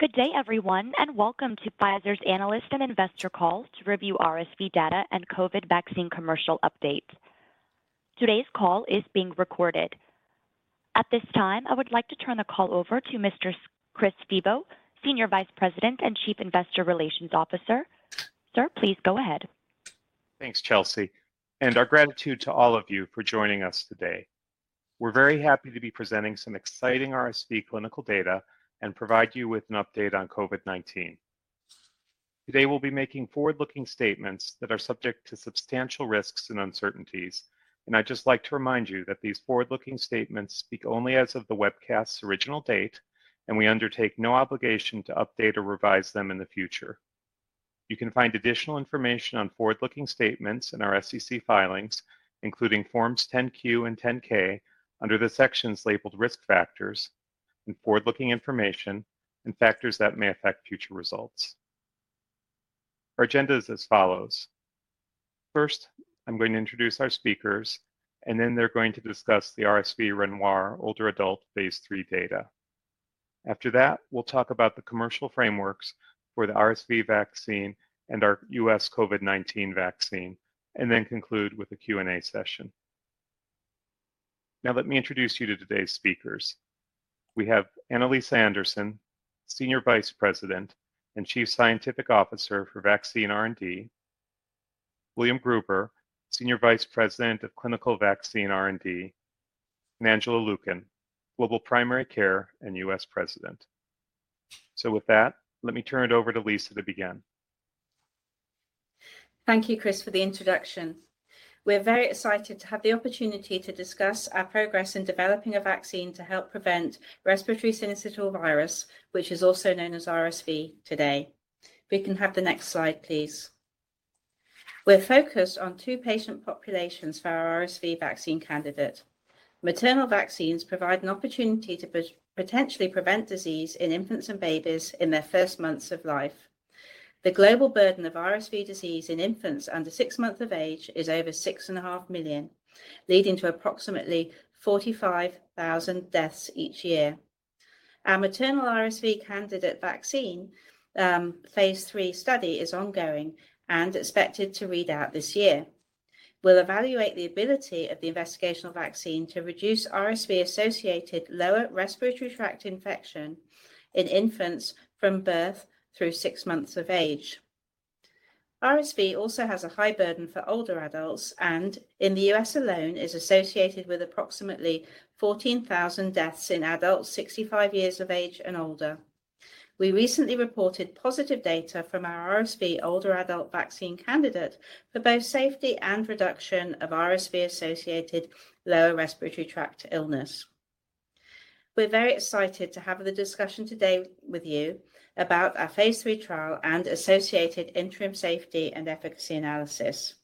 Good day everyone, and welcome to Pfizer's Analyst and Investor call to review RSV data and COVID vaccine commercial update. Today's call is being recorded. At this time, I would like to turn the call over to Mr. Christopher Stevo, Senior Vice President and Chief Investor Relations Officer. Sir, please go ahead. Thanks, Chelsea, and our gratitude to all of you for joining us today. We're very happy to be presenting some exciting RSV clinical data and provide you with an update on COVID-19. Today, we'll be making forward-looking statements that are subject to substantial risks and uncertainties, and I'd just like to remind you that these forward-looking statements speak only as of the webcast's original date, and we undertake no obligation to update or revise them in the future. You can find additional information on forward-looking statements in our SEC filings, including forms 10-Q and 10-K, under the sections labeled Risk Factors and Forward-Looking Information and Factors That May Affect Future Results. Our agenda is as follows. First, I'm going to introduce our speakers, and then they're going to discuss the RSV RENOIR older adult phase III data. After that, we'll talk about the commercial frameworks for the RSV vaccine and our US COVID-19 vaccine, and then conclude with a Q&A session. Now, let me introduce you to today's speakers. We have Annaliesa Anderson, Senior Vice President and Chief Scientific Officer for Vaccine R&D, William Gruber, Senior Vice President of Clinical Vaccine R&D, and Angela Lukin, Global Primary Care and US President. With that, let me turn it over to Lisa to begin. Thank you, Chris, for the introduction. We're very excited to have the opportunity to discuss our progress in developing a vaccine to help prevent respiratory syncytial virus, which is also known as RSV today. If we can have the next slide, please. We're focused on two patient populations for our RSV vaccine candidate. Maternal vaccines provide an opportunity to potentially prevent disease in infants and babies in their first months of life. The global burden of RSV disease in infants under six months of age is over 6.5 million, leading to approximately 45,000 deaths each year. Our maternal RSV candidate vaccine phase III study is ongoing and expected to read out this year. We'll evaluate the ability of the investigational vaccine to reduce RSV-associated lower respiratory tract infection in infants from birth through six months of age. RSV also has a high burden for older adults and in the US alone, is associated with approximately 14,000 deaths in adults 65 years of age and older. We recently reported positive data from our RSV older adult vaccine candidate for both safety and reduction of RSV-associated lower respiratory tract illness. We're very excited to have the discussion today with you about our phase III trial and associated interim safety and efficacy analysis.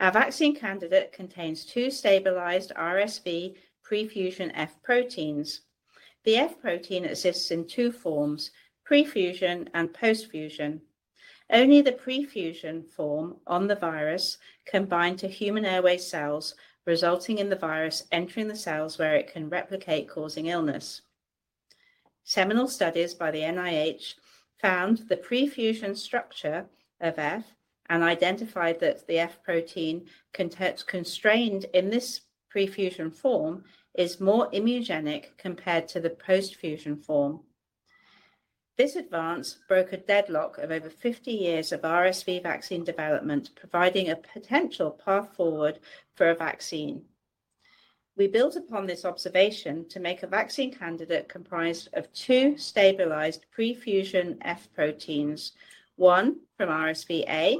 Our vaccine candidate contains two stabilized RSV prefusion F proteins. The F protein exists in two forms, prefusion and postfusion. Only the prefusion form on the virus can bind to human airway cells, resulting in the virus entering the cells where it can replicate, causing illness. Seminal studies by the NIH found the prefusion structure of F and identified that the F protein constrained in this prefusion form is more immunogenic compared to the postfusion form. This advance broke a deadlock of over 50 years of RSV vaccine development, providing a potential path forward for a vaccine. We built upon this observation to make a vaccine candidate comprised of two stabilized prefusion F proteins, one from RSV-A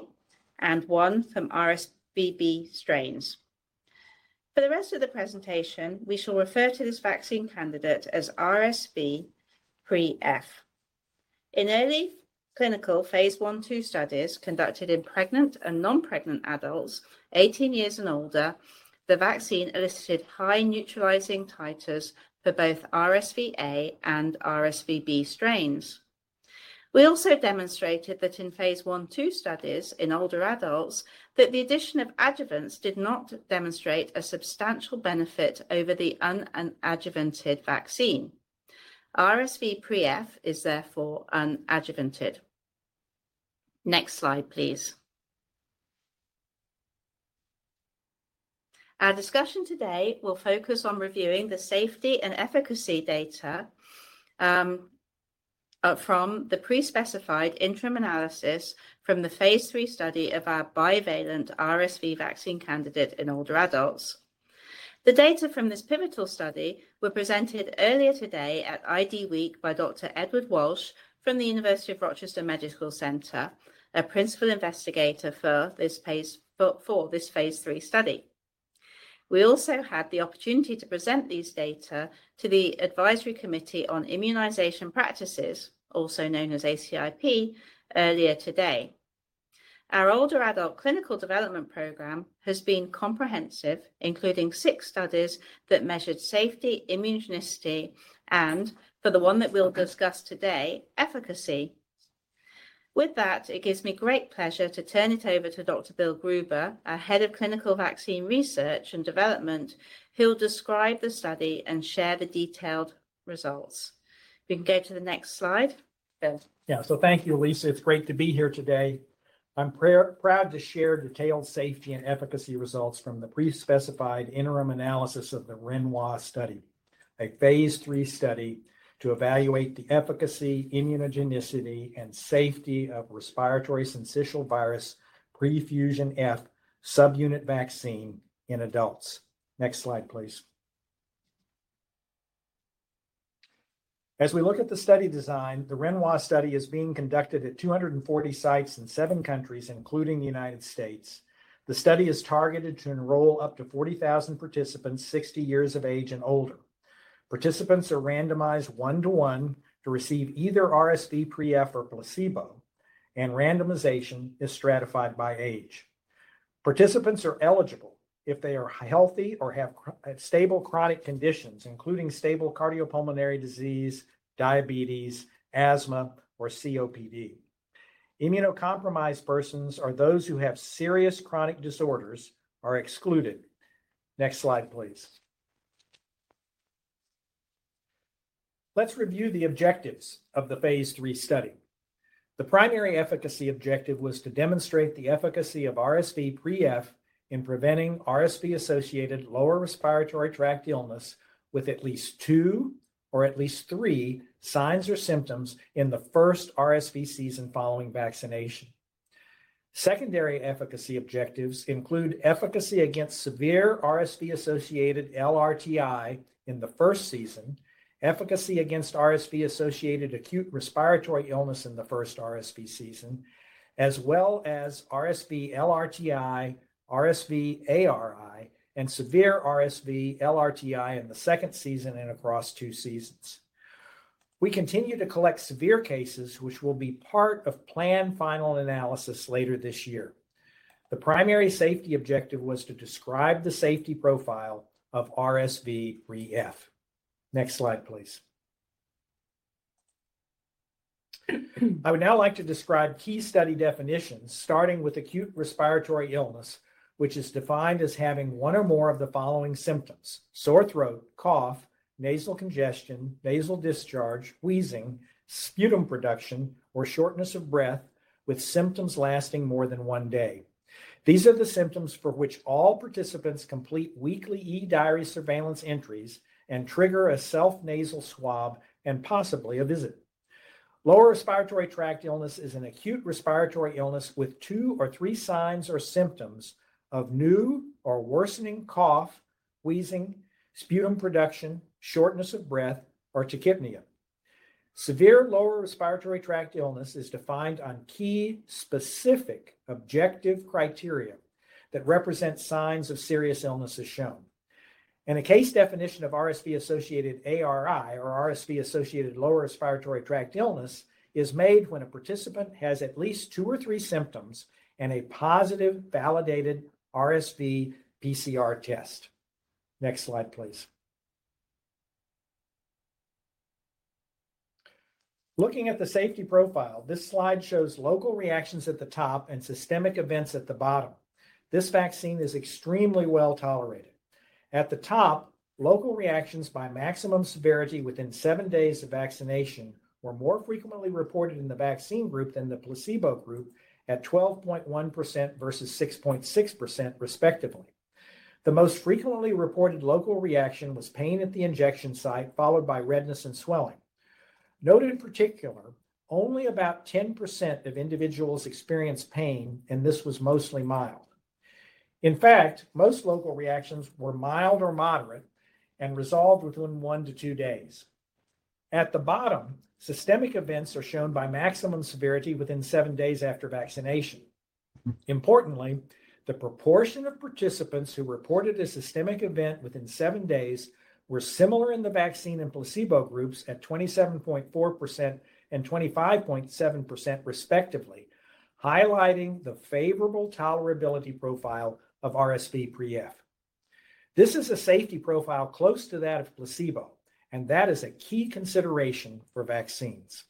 and one from RSV-B strains. For the rest of the presentation, we shall refer to this vaccine candidate as RSV Pre-F. In early clinical phase I/II studies conducted in pregnant and non-pregnant adults 18 years and older, the vaccine elicited high neutralizing titers for both RSV-A and RSV-B strains. We also demonstrated that in phase I/II studies in older adults that the addition of adjuvants did not demonstrate a substantial benefit over the un-adjuvanted vaccine. RSVpreF is therefore unadjuvanted. Next slide, please. Our discussion today will focus on reviewing the safety and efficacy data from the pre-specified interim analysis from the phase III study of our bivalent RSV vaccine candidate in older adults. The data from this pivotal study were presented earlier today at IDWeek by Dr. Edward Walsh from the University of Rochester Medical Center, a principal investigator for this phase III study. We also had the opportunity to present these data to the Advisory Committee on Immunization Practices, also known as ACIP, earlier today. Our older adult clinical development program has been comprehensive, including six studies that measured safety, immunogenicity, and for the one that we'll discuss today, efficacy. With that, it gives me great pleasure to turn it over to Dr. William Gruber, our head of clinical vaccine research and development. He'll describe the study and share the detailed results. You can go to the next slide, Will. Thank you, Lisa. It's great to be here today. I'm proud to share detailed safety and efficacy results from the pre-specified interim analysis of the RENOIR study, a phase III study to evaluate the efficacy, immunogenicity, and safety of Respiratory syncytial virus prefusion F subunit vaccine in adults. Next slide, please. As we look at the study design, the RENOIR study is being conducted at 240 sites in seven countries, including the United States. The study is targeted to enroll up to 40,000 participants 60 years of age and older. Participants are randomized 1:1 to receive either RSVpreF or placebo, and randomization is stratified by age. Participants are eligible if they are healthy or have stable chronic conditions, including stable cardiopulmonary disease, diabetes, asthma, or COPD. Immunocompromised persons or those who have serious chronic disorders are excluded. Next slide, please. Let's review the objectives of the phase III study. The primary efficacy objective was to demonstrate the efficacy of RSVpreF in preventing RSV-associated lower respiratory tract illness with at least two or at least three signs or symptoms in the first RSV season following vaccination. Secondary efficacy objectives include efficacy against severe RSV-associated LRTI in the first season, efficacy against RSV-associated acute respiratory illness in the first RSV season, as well as RSV LRTI, RSV ARI, and severe RSV LRTI in the second season and across two seasons. We continue to collect severe cases, which will be part of planned final analysis later this year. The primary safety objective was to describe the safety profile of RSVpreF. Next slide, please. I would now like to describe key study definitions, starting with acute respiratory illness, which is defined as having one or more of the following symptoms, sore throat, cough, nasal congestion, nasal discharge, wheezing, sputum production, or shortness of breath with symptoms lasting more than one day. These are the symptoms for which all participants complete weekly eDiaries surveillance entries and trigger a self-nasal swab and possibly a visit. Lower respiratory tract illness is an acute respiratory illness with two or three signs or symptoms of new or worsening cough, wheezing, sputum production, shortness of breath, or Tachypnea. Severe lower respiratory tract illness is defined on key specific objective criteria that represent signs of serious illness as shown. A case definition of RSV-associated ARI or RSV associated lower respiratory tract illness is made when a participant has at least two or three symptoms and a positive validated RSV PCR test. Next slide, please. Looking at the safety profile, this slide shows local reactions at the top and systemic events at the bottom. This vaccine is extremely well-tolerated. At the top, local reactions by maximum severity within seven days of vaccination were more frequently reported in the vaccine group than the placebo group at 12.1% versus 6.6%, respectively. The most frequently reported local reaction was pain at the injection site, followed by redness and swelling. Noted in particular, only about 10% of individuals experienced pain, and this was mostly mild. In fact, most local reactions were mild or moderate and resolved within one to two days. At the bottom, systemic events are shown by maximum severity within seven days after vaccination. Importantly, the proportion of participants who reported a systemic event within seven days were similar in the vaccine and placebo groups at 27.4% and 25.7%, respectively, highlighting the favorable tolerability profile of RSV pre-F. This is a safety profile close to that of placebo, and that is a key consideration for vaccines.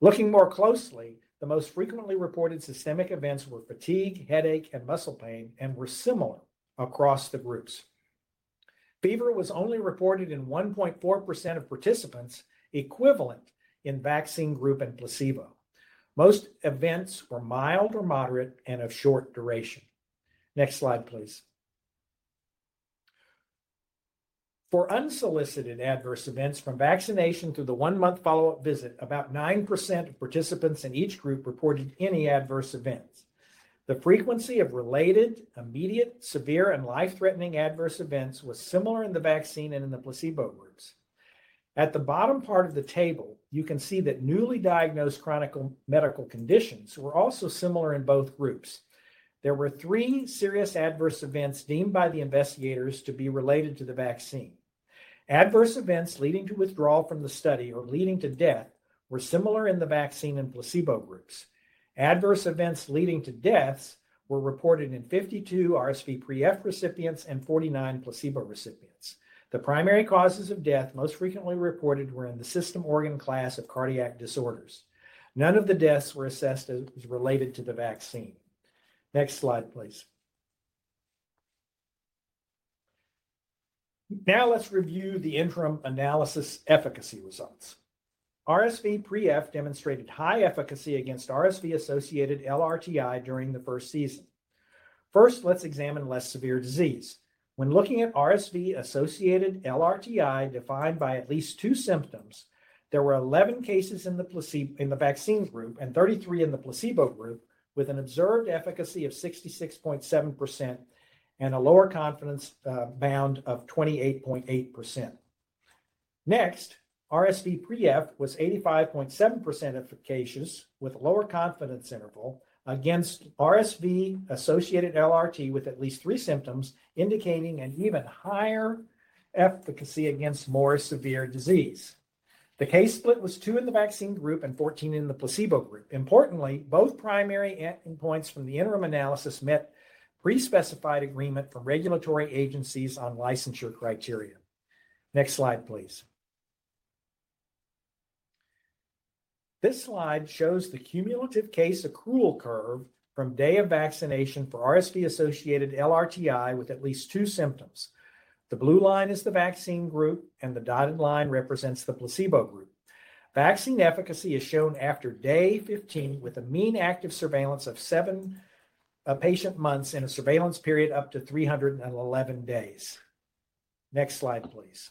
Looking more closely, the most frequently reported systemic events were fatigue, headache, and muscle pain and were similar across the groups. Fever was only reported in 1.4% of participants, equivalent in vaccine group and placebo. Most events were mild or moderate and of short duration. Next slide, please. For unsolicited adverse events from vaccination through the one-month follow-up visit, about 9% of participants in each group reported any adverse events. The frequency of related, immediate, severe, and life-threatening adverse events was similar in the vaccine and in the placebo groups. At the bottom part of the table, you can see that newly diagnosed chronic medical conditions were also similar in both groups. There were three serious adverse events deemed by the investigators to be related to the vaccine. Adverse events leading to withdrawal from the study or leading to death were similar in the vaccine and placebo groups. Adverse events leading to deaths were reported in 52 RSV pre-F recipients and 49 placebo recipients. The primary causes of death most frequently reported were in the system organ class of cardiac disorders. None of the deaths were assessed as related to the vaccine. Next slide, please. Now let's review the interim analysis efficacy results. RSV pre-F demonstrated high efficacy against RSV-associated LRTI during the first season. First, let's examine less severe disease. When looking at RSV-associated LRTI defined by at least two symptoms, there were 11 cases in the vaccine group and 33 in the placebo group, with an observed efficacy of 66.7% and a lower confidence bound of 28.8%. Next, RSV pre-F was 85.7% efficacious with lower confidence interval against RSV-associated LRT with at least three symptoms, indicating an even higher efficacy against more severe disease. The case split was two in the vaccine group and 14 in the placebo group. Importantly, both primary end points from the interim analysis met pre-specified agreement for regulatory agencies on licensure criteria. Next slide, please. This slide shows the cumulative case accrual curve from day of vaccination for RSV-associated LRTI with at least two symptoms. The blue line is the vaccine group, and the dotted line represents the placebo group. Vaccine efficacy is shown after day 15, with a mean active surveillance of seven patient months in a surveillance period up to 311 days. Next slide, please.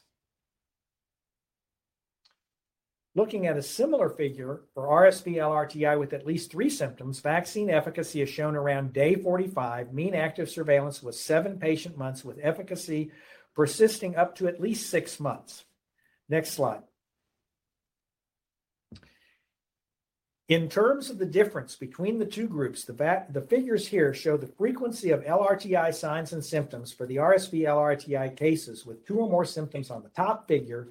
Looking at a similar figure for RSV LRTI with at least three symptoms, vaccine efficacy is shown around day 45. Mean active surveillance was seven patient months, with efficacy persisting up to at least six months. Next slide. In terms of the difference between the two groups, the figures here show the frequency of LRTI signs and symptoms for the RSV LRTI cases with two or more symptoms on the top figure,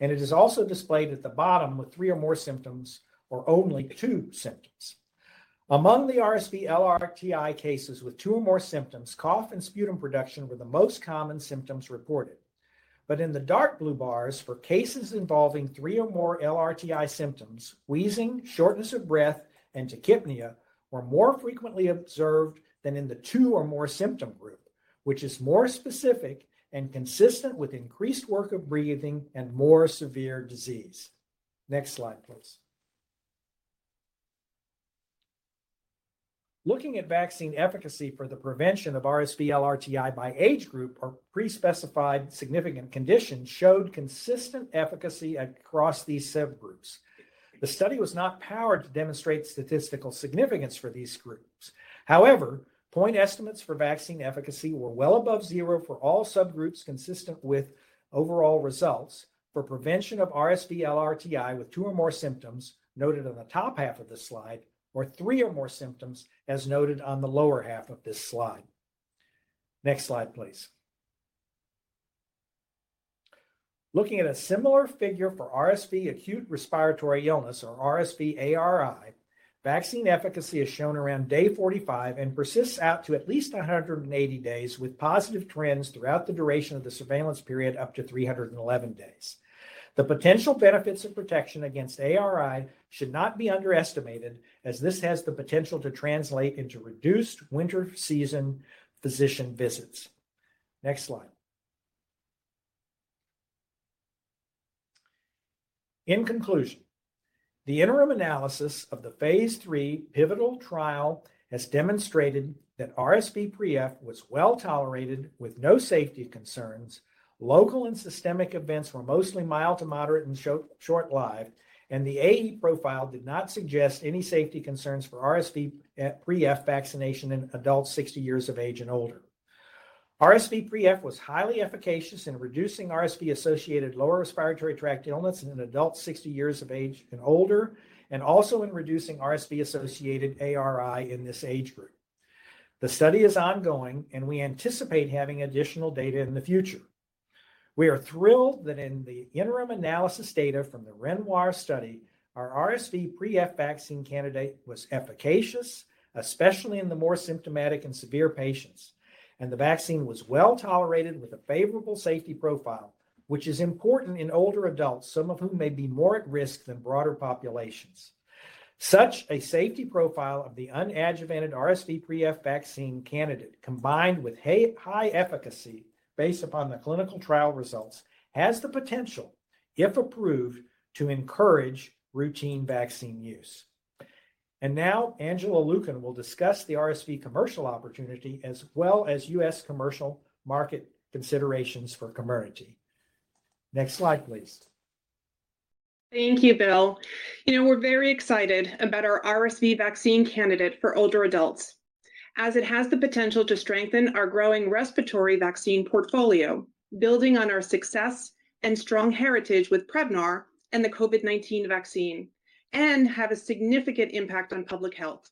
and it is also displayed at the bottom with three or more symptoms or only two symptoms. Among the RSV LRTI cases with two or more symptoms, cough and sputum production were the most common symptoms reported. In the dark blue bars, for cases involving three or more LRTI symptoms, wheezing, shortness of breath, and tachypnea were more frequently observed than in the two or more symptom group, which is more specific and consistent with increased work of breathing and more severe disease. Next slide, please. Looking at vaccine efficacy for the prevention of RSV LRTI by age group or pre-specified significant conditions showed consistent efficacy across these subgroups. The study was not powered to demonstrate statistical significance for these groups. However, point estimates for vaccine efficacy were well above zero for all subgroups consistent with overall results for prevention of RSV LRTI, with two or more symptoms noted on the top half of the slide or three or more symptoms as noted on the lower half of this slide. Next slide, please. Looking at a similar figure for RSV acute respiratory illness or RSV-ARI, vaccine efficacy is shown around day 45 and persists out to at least 180 days, with positive trends throughout the duration of the surveillance period up to 311 days. The potential benefits of protection against ARI should not be underestimated, as this has the potential to translate into reduced winter season physician visits. Next slide. In conclusion, the interim analysis of the phase III pivotal trial has demonstrated that RSV pre-F was well-tolerated with no safety concerns. Local and systemic events were mostly mild to moderate and short-lived, and the AE profile did not suggest any safety concerns for RSV pre-F vaccination in adults 60 years of age and older. RSV pre-F was highly efficacious in reducing RSV-associated lower respiratory tract illness in adults 60 years of age and older, and also in reducing RSV-associated ARI in this age group. The study is ongoing, and we anticipate having additional data in the future. We are thrilled that in the interim analysis data from the RENOIR study, our RSV pre-F vaccine candidate was efficacious, especially in the more symptomatic and severe patients. The vaccine was well-tolerated with a favorable safety profile, which is important in older adults, some of whom may be more at risk than broader populations. Such a safety profile of the unadjuvanted RSV pre-F vaccine candidate, combined with high efficacy based upon the clinical trial results, has the potential, if approved, to encourage routine vaccine use. Now Angela Lukin will discuss the RSV commercial opportunity as well as US commercial market considerations for Comirnaty. Next slide, please. Thank you, Will. You know, we're very excited about our RSV vaccine candidate for older adults, as it has the potential to strengthen our growing respiratory vaccine portfolio, building on our success and strong heritage with Prevnar and the COVID-19 vaccine, and have a significant impact on public health.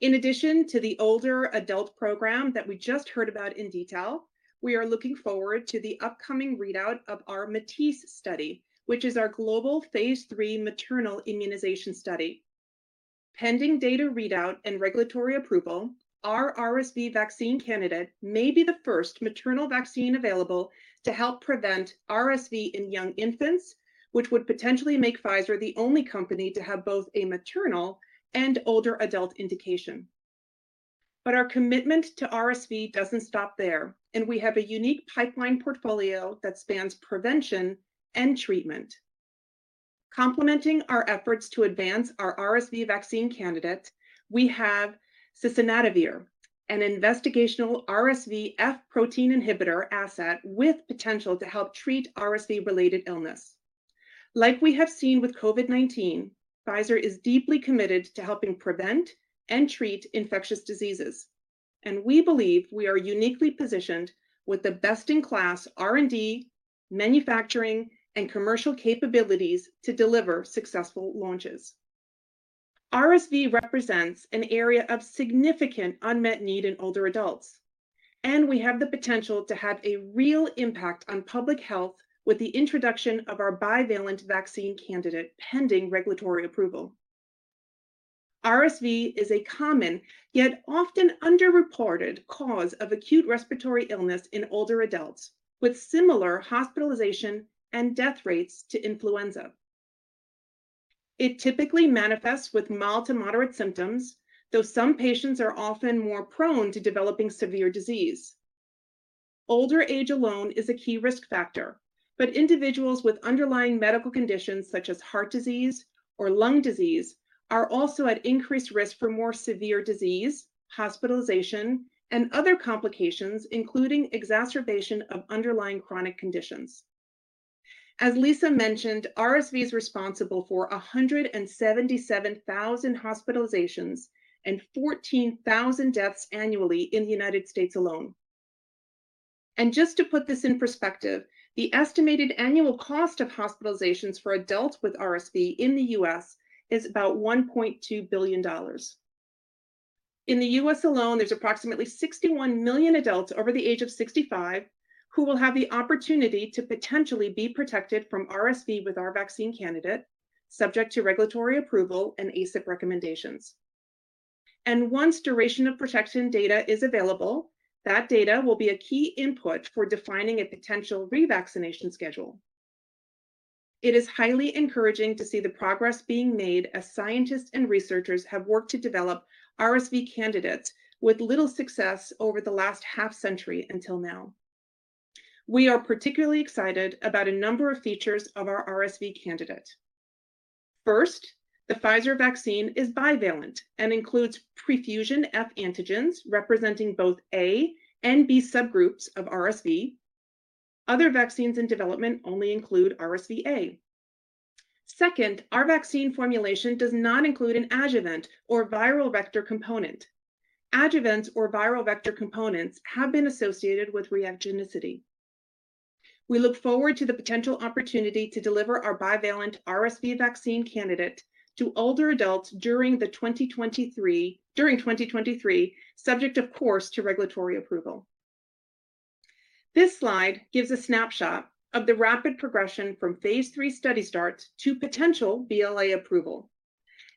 In addition to the older adult program that we just heard about in detail, we are looking forward to the upcoming readout of our MATISSE study, which is our global phase III maternal immunization study. Pending data readout and regulatory approval, our RSV vaccine candidate may be the first maternal vaccine available to help prevent RSV in young infants, which would potentially make Pfizer the only company to have both a maternal and older adult indication. Our commitment to RSV doesn't stop there, and we have a unique pipeline portfolio that spans prevention and treatment. Complementing our efforts to advance our RSV vaccine candidate, we have Sisunatovir, an investigational RSV F protein inhibitor asset with potential to help treat RSV-related illness. Like we have seen with COVID-19, Pfizer is deeply committed to helping prevent and treat infectious diseases, and we believe we are uniquely positioned with the best-in-class R&D, manufacturing, and commercial capabilities to deliver successful launches. RSV represents an area of significant unmet need in older adults, and we have the potential to have a real impact on public health with the introduction of our bivalent vaccine candidate, pending regulatory approval. RSV is a common, yet often underreported, cause of acute respiratory illness in older adults, with similar hospitalization and death rates to influenza. It typically manifests with mild to moderate symptoms, though some patients are often more prone to developing severe disease. Older age alone is a key risk factor, but individuals with underlying medical conditions such as heart disease or lung disease are also at increased risk for more severe disease, hospitalization, and other complications, including exacerbation of underlying chronic conditions. As Lisa mentioned, RSV is responsible for 177,000 hospitalizations and 14,000 deaths annually in the United States alone. Just to put this in perspective, the estimated annual cost of hospitalizations for adults with RSV in the U.S. is about $1.2 billion. In the U.S. alone, there's approximately 61 million adults over the age of 65 who will have the opportunity to potentially be protected from RSV with our vaccine candidate, subject to regulatory approval and ACIP recommendations. Once duration of protection data is available, that data will be a key input for defining a potential revaccination schedule. It is highly encouraging to see the progress being made as scientists and researchers have worked to develop RSV candidates with little success over the last half-century until now. We are particularly excited about a number of features of our RSV candidate. First, the Pfizer vaccine is bivalent and includes prefusion F antigens representing both A and B subgroups of RSV. Other vaccines in development only include RSV-A. Second, our vaccine formulation does not include an adjuvant or viral vector component. Adjuvants or viral vector components have been associated with reactogenicity. We look forward to the potential opportunity to deliver our bivalent RSV vaccine candidate to older adults during 2023, subject of course to regulatory approval. This slide gives a snapshot of the rapid progression from phase III study start to potential BLA approval,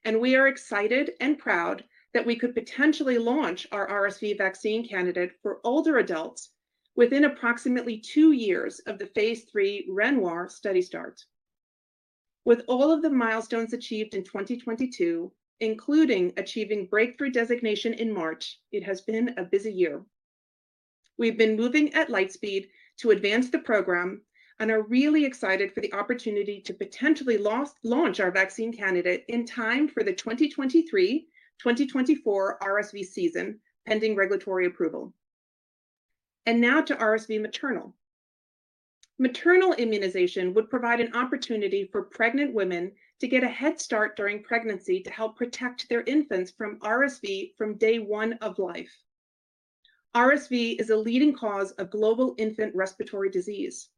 and we are excited and proud that we could potentially launch our RSV vaccine candidate for older adults within approximately two years of the phase III RENOIR study start. With all of the milestones achieved in 2022, including achieving breakthrough designation in March, it has been a busy year. We've been moving at light speed to advance the program and are really excited for the opportunity to potentially launch our vaccine candidate in time for the 2023/2024 RSV season, pending regulatory approval. Now to RSV maternal. Maternal immunization would provide an opportunity for pregnant women to get a head start during pregnancy to help protect their infants from RSV from day one of life. RSV is a leading cause of global infant respiratory disease.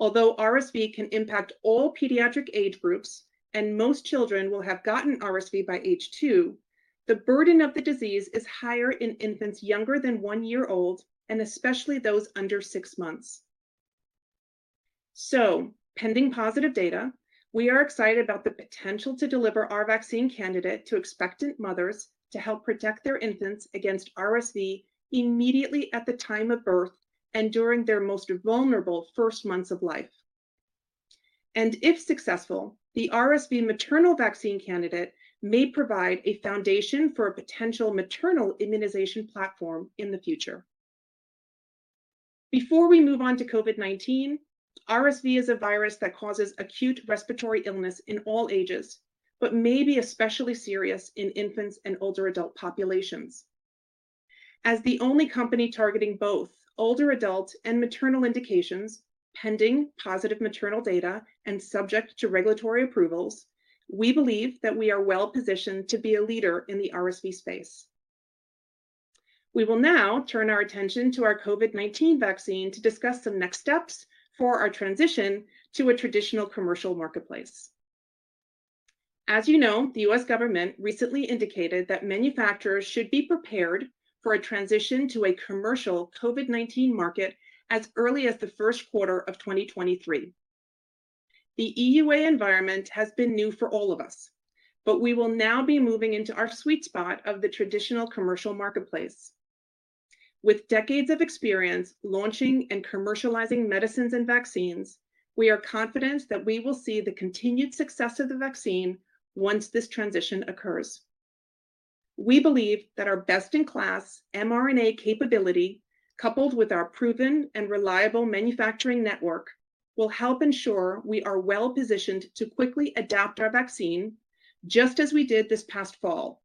Although RSV can impact all pediatric age groups and most children will have gotten RSV by age two, the burden of the disease is higher in infants younger than one year old and especially those under six months. Pending positive data, we are excited about the potential to deliver our vaccine candidate to expectant mothers to help protect their infants against RSV immediately at the time of birth and during their most vulnerable first months of life. If successful, the RSV maternal vaccine candidate may provide a foundation for a potential maternal immunization platform in the future. Before we move on to COVID-19, RSV is a virus that causes acute respiratory illness in all ages but may be especially serious in infants and older adult populations. As the only company targeting both older adults and maternal indications, pending positive maternal data and subject to regulatory approvals, we believe that we are well-positioned to be a leader in the RSV space. We will now turn our attention to our COVID-19 vaccine to discuss some next steps for our transition to a traditional commercial marketplace. As you know, the U.S. government recently indicated that manufacturers should be prepared for a transition to a commercial COVID-19 market as early as the first quarter of 2023. The EUA environment has been new for all of us, but we will now be moving into our sweet spot of the traditional commercial marketplace. With decades of experience launching and commercializing medicines and vaccines, we are confident that we will see the continued success of the vaccine once this transition occurs. We believe that our best-in-class mRNA capability, coupled with our proven and reliable manufacturing network, will help ensure we are well-positioned to quickly adapt our vaccine, just as we did this past fall.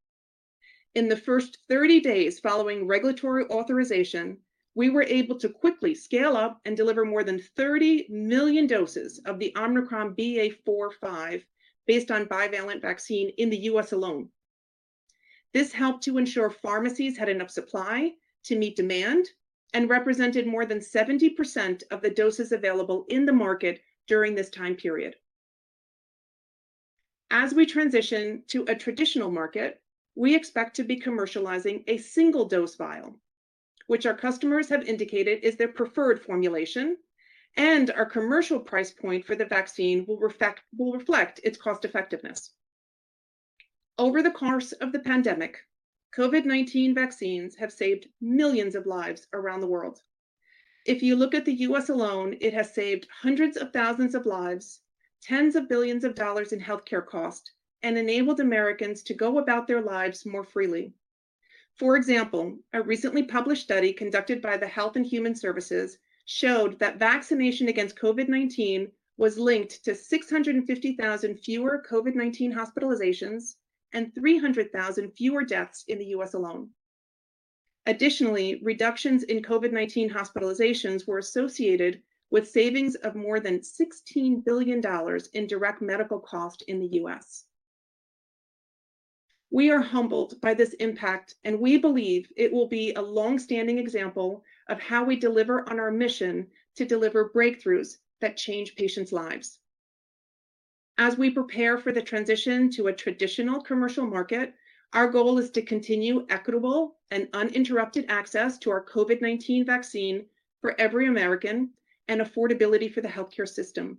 In the first 30 days following regulatory authorization, we were able to quickly scale up and deliver more than 30 million doses of the Omicron BA.4/BA.5-based bivalent vaccine in the U.S. alone. This helped to ensure pharmacies had enough supply to meet demand and represented more than 70% of the doses available in the market during this time period. As we transition to a traditional market, we expect to be commercializing a single-dose vial, which our customers have indicated is their preferred formulation, and our commercial price point for the vaccine will reflect its cost-effectiveness. Over the course of the pandemic, COVID-19 vaccines have saved millions of lives around the world. If you look at the U.S. alone, it has saved hundreds of thousands of lives, tens of billions of dollars in healthcare cost, and enabled Americans to go about their lives more freely. For example, a recently published study conducted by the Department of Health and Human Services showed that vaccination against COVID-19 was linked to 650,000 fewer COVID-19 hospitalizations and 300,000 fewer deaths in the U.S. alone. Additionally, reductions in COVID-19 hospitalizations were associated with savings of more than $16 billion in direct medical cost in the U.S. We are humbled by this impact, and we believe it will be a long-standing example of how we deliver on our mission to deliver breakthroughs that change patients' lives. As we prepare for the transition to a traditional commercial market, our goal is to continue equitable and uninterrupted access to our COVID-19 vaccine for every American and affordability for the healthcare system.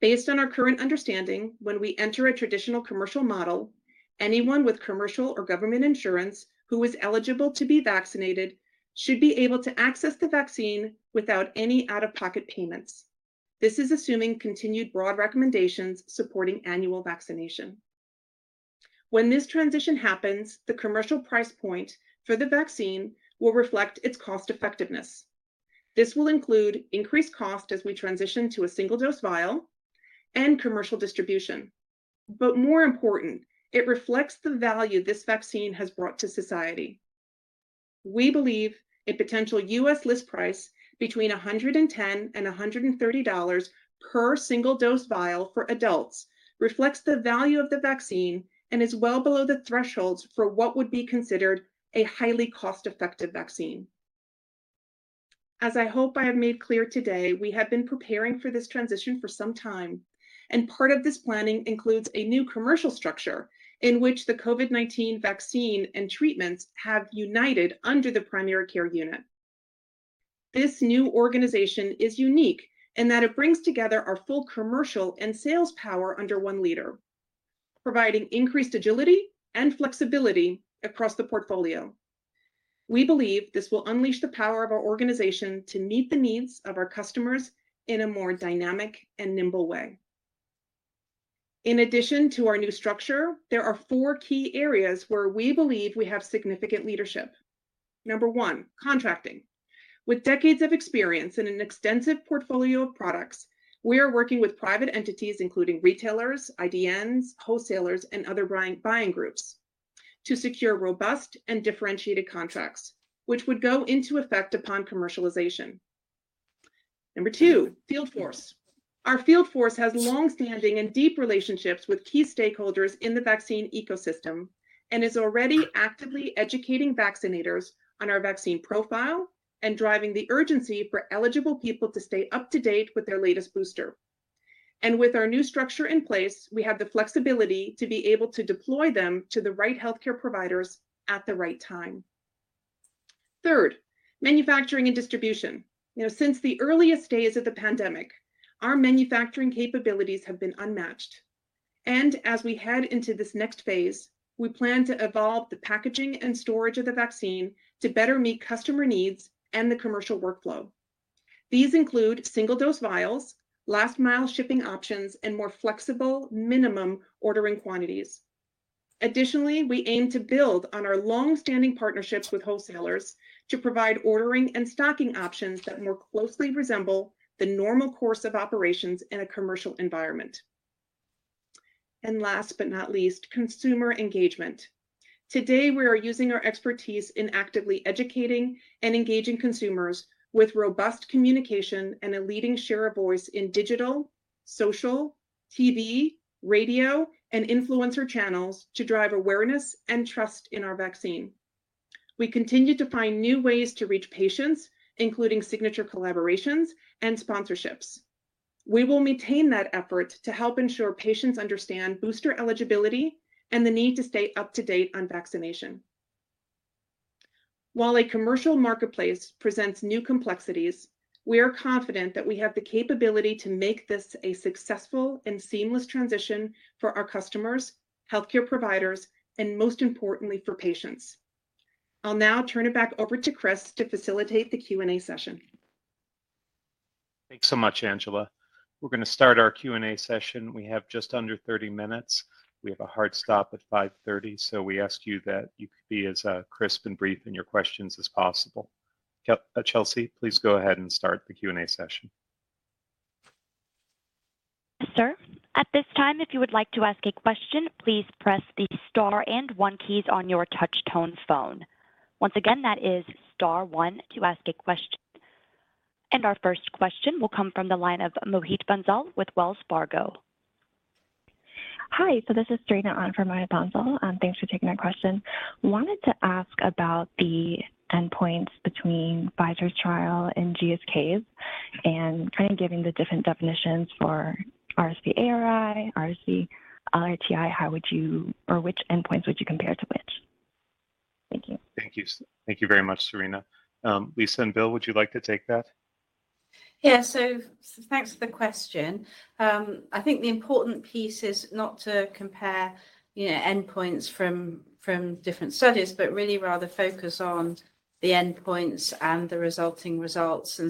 Based on our current understanding, when we enter a traditional commercial model, anyone with commercial or government insurance who is eligible to be vaccinated should be able to access the vaccine without any out-of-pocket payments. This is assuming continued broad recommendations supporting annual vaccination. When this transition happens, the commercial price point for the vaccine will reflect its cost-effectiveness. This will include increased cost as we transition to a single-dose vial and commercial distribution. More important, it reflects the value this vaccine has brought to society. We believe a potential U.S. list price between $110 and $130 per single-dose vial for adults reflects the value of the vaccine and is well below the thresholds for what would be considered a highly cost-effective vaccine. As I hope I have made clear today, we have been preparing for this transition for some time, and part of this planning includes a new commercial structure in which the COVID-19 vaccine and treatments have united under the primary care unit. This new organization is unique in that it brings together our full commercial and sales power under one leader, providing increased agility and flexibility across the portfolio. We believe this will unleash the power of our organization to meet the needs of our customers in a more dynamic and nimble way. In addition to our new structure, there are four key areas where we believe we have significant leadership. Number one, contracting. With decades of experience and an extensive portfolio of products, we are working with private entities, including retailers, IDNs, wholesalers, and other buying groups, to secure robust and differentiated contracts, which would go into effect upon commercialization. Number two, field force. Our field force has long-standing and deep relationships with key stakeholders in the vaccine ecosystem and is already actively educating vaccinators on our vaccine profile and driving the urgency for eligible people to stay up to date with their latest booster. With our new structure in place, we have the flexibility to be able to deploy them to the right healthcare providers at the right time. Third, manufacturing and distribution. You know, since the earliest days of the pandemic, our manufacturing capabilities have been unmatched. As we head into this next phase, we plan to evolve the packaging and storage of the vaccine to better meet customer needs and the commercial workflow. These include single-dose vials, last-mile shipping options, and more flexible minimum ordering quantities. Additionally, we aim to build on our long-standing partnerships with wholesalers to provide ordering and stocking options that more closely resemble the normal course of operations in a commercial environment. Last but not least, consumer engagement. Today, we are using our expertise in actively educating and engaging consumers with robust communication and a leading share of voice in digital, social, TV, radio, and influencer channels to drive awareness and trust in our vaccine. We continue to find new ways to reach patients, including signature collaborations and sponsorships. We will maintain that effort to help ensure patients understand booster eligibility and the need to stay up to date on vaccination. While a commercial marketplace presents new complexities, we are confident that we have the capability to make this a successful and seamless transition for our customers. Healthcare providers, and most importantly for patients. I'll now turn it back over to Chris to facilitate the Q&A session. Thanks so much, Angela. We're gonna start our Q&A session. We have just under 30 minutes. We have a hard stop at 5:30 P.M., so we ask you that you could be as crisp and brief in your questions as possible. Chelsea, please go ahead and start the Q&A session. Yes, sir. At this time, if you would like to ask a question, please press the Star and One keys on your touch tone phone. Once again, that is Star One to ask a question. Our first question will come from the line of Mohit Bansal with Wells Fargo. Hi. This is Serena Ahn from Mohit Bansal. Thanks for taking my question. Wanted to ask about the endpoints between Pfizer's trial and GSK's, and kind of giving the different definitions for RSV ARI, RSV LRTI, or which endpoints would you compare to which? Thank you. Thank you. Thank you very much, Serena. Lisa and Will, would you like to take that? Yeah, thanks for the question. I think the important piece is not to compare, you know, endpoints from different studies, but really rather focus on the endpoints and the resulting results.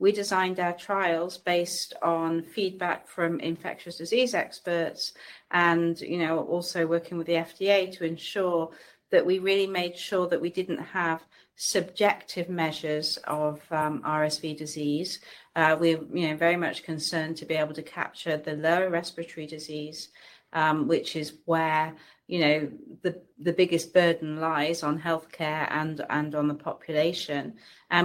We designed our trials based on feedback from infectious disease experts and, you know, also working with the FDA to ensure that we really made sure that we didn't have subjective measures of RSV disease. We're, you know, very much concerned to be able to capture the lower respiratory disease, which is where, you know, the biggest burden lies on healthcare and on the population.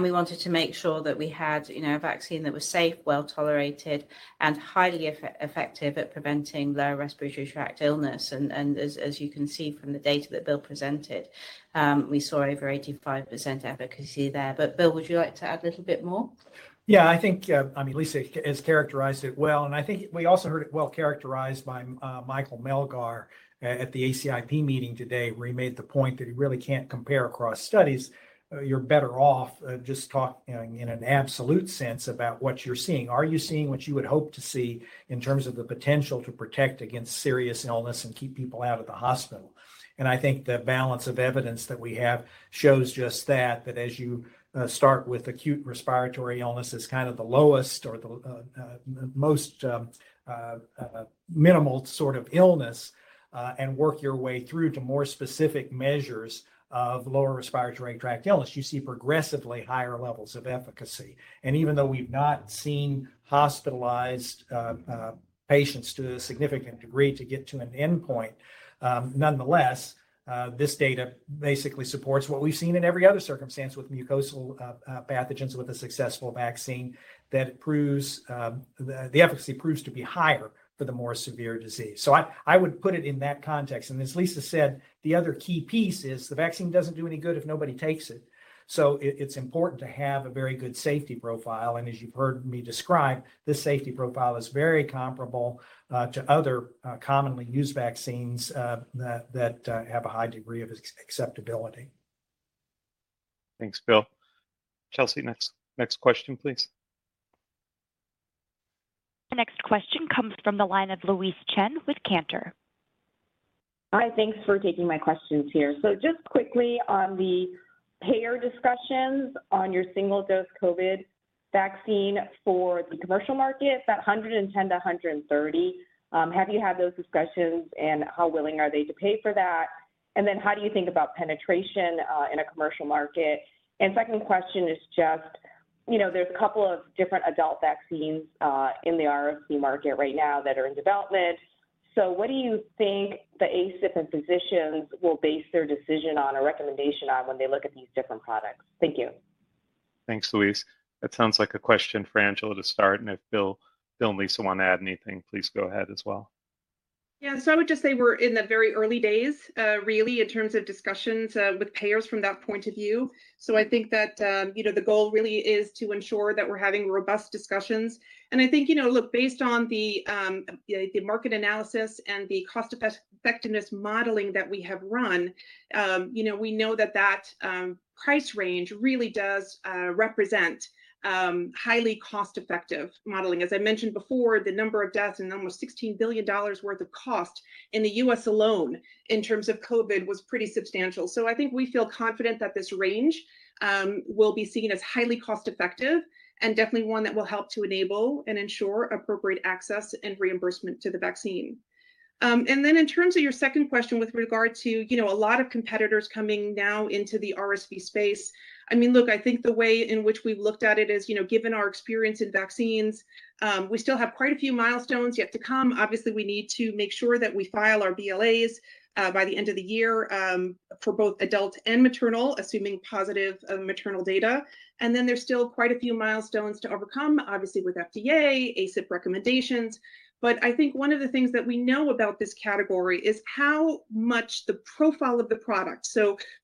We wanted to make sure that we had, you know, a vaccine that was safe, well-tolerated, and highly effective at preventing lower respiratory tract illness. As you can see from the data that Will presented, we saw over 85% efficacy there. Will, would you like to add a little bit more? Yeah, I think, I mean, Lisa has characterized it well, and I think we also heard it well characterized by Mikael Dolsten at the ACIP meeting today, where he made the point that you really can't compare across studies. You're better off just talk, you know, in an absolute sense about what you're seeing. Are you seeing what you would hope to see in terms of the potential to protect against serious illness and keep people out of the hospital? I think the balance of evidence that we have shows just that as you start with acute respiratory illness as kind of the lowest or the most minimal sort of illness and work your way through to more specific measures of lower respiratory tract illness, you see progressively higher levels of efficacy. Even though we've not seen hospitalized patients to a significant degree to get to an endpoint, nonetheless, this data basically supports what we've seen in every other circumstance with mucosal pathogens with a successful vaccine that proves the efficacy proves to be higher for the more severe disease. I would put it in that context. As Lisa said, the other key piece is the vaccine doesn't do any good if nobody takes it. It's important to have a very good safety profile, and as you've heard me describe, this safety profile is very comparable to other commonly used vaccines that have a high degree of acceptability. Thanks, Will. Chelsea, next question, please. The next question comes from the line of Louise Chen with Cantor. Hi. Thanks for taking my questions here. Just quickly on the payer discussions on your single-dose COVID vaccine for the commercial market, that $110-$130, have you had those discussions, and how willing are they to pay for that? How do you think about penetration in a commercial market? Second question is just, you know, there's a couple of different adult vaccines in the RSV market right now that are in development. What do you think the ACIP and physicians will base their decision on or recommendation on when they look at these different products? Thank you. Thanks, Louise. That sounds like a question for Angela to start, and if Will and Lisa want to add anything, please go ahead as well. Yeah. I would just say we're in the very early days, really, in terms of discussions with payers from that point of view. I think that, you know, the goal really is to ensure that we're having robust discussions. I think, you know, look, based on the market analysis and the cost-effectiveness modeling that we have run, you know, we know that that price range really does represent highly cost-effective modeling. As I mentioned before, the number of deaths and almost $16 billion worth of cost in the U.S. alone in terms of COVID was pretty substantial. I think we feel confident that this range will be seen as highly cost-effective and definitely one that will help to enable and ensure appropriate access and reimbursement to the vaccine. In terms of your second question with regard to, you know, a lot of competitors coming now into the RSV space, I mean, look, I think the way in which we've looked at it is, you know, given our experience in vaccines, we still have quite a few milestones yet to come. Obviously, we need to make sure that we file our BLAs by the end of the year for both adult and maternal, assuming positive maternal data. There's still quite a few milestones to overcome, obviously with FDA, ACIP recommendations. But I think one of the things that we know about this category is how much the profile of the product.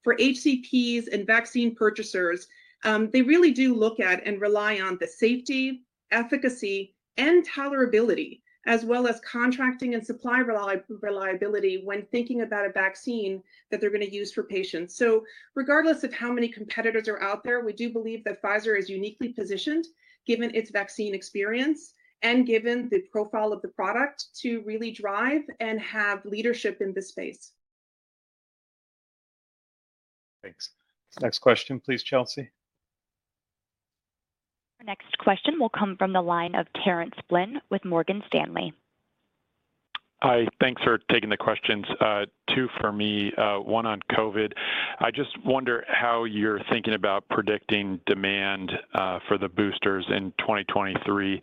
For HCPs and vaccine purchasers, they really do look at and rely on the safety, efficacy, and tolerability as well as contracting and supply reliability when thinking about a vaccine that they're gonna use for patients. Regardless of how many competitors are out there, we do believe that Pfizer is uniquely positioned given its vaccine experience and given the profile of the product to really drive and have leadership in this space. Thanks. Next question please, Chelsea. Our next question will come from the line of Terence Flynn with Morgan Stanley. Hi. Thanks for taking the questions. Two for me, one on COVID. I just wonder how you're thinking about predicting demand for the boosters in 2023,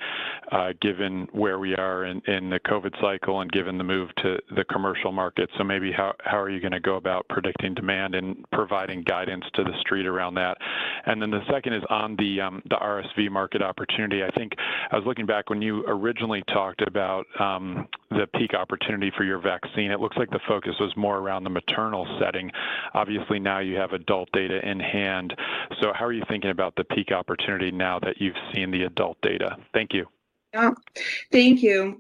given where we are in the COVID cycle and given the move to the commercial market. Maybe how are you gonna go about predicting demand and providing guidance to the street around that? And then the second is on the RSV market opportunity. I think I was looking back when you originally talked about the peak opportunity for your vaccine. It looks like the focus was more around the maternal setting. Obviously, now you have adult data in hand, so how are you thinking about the peak opportunity now that you've seen the adult data? Thank you. Yeah. Thank you.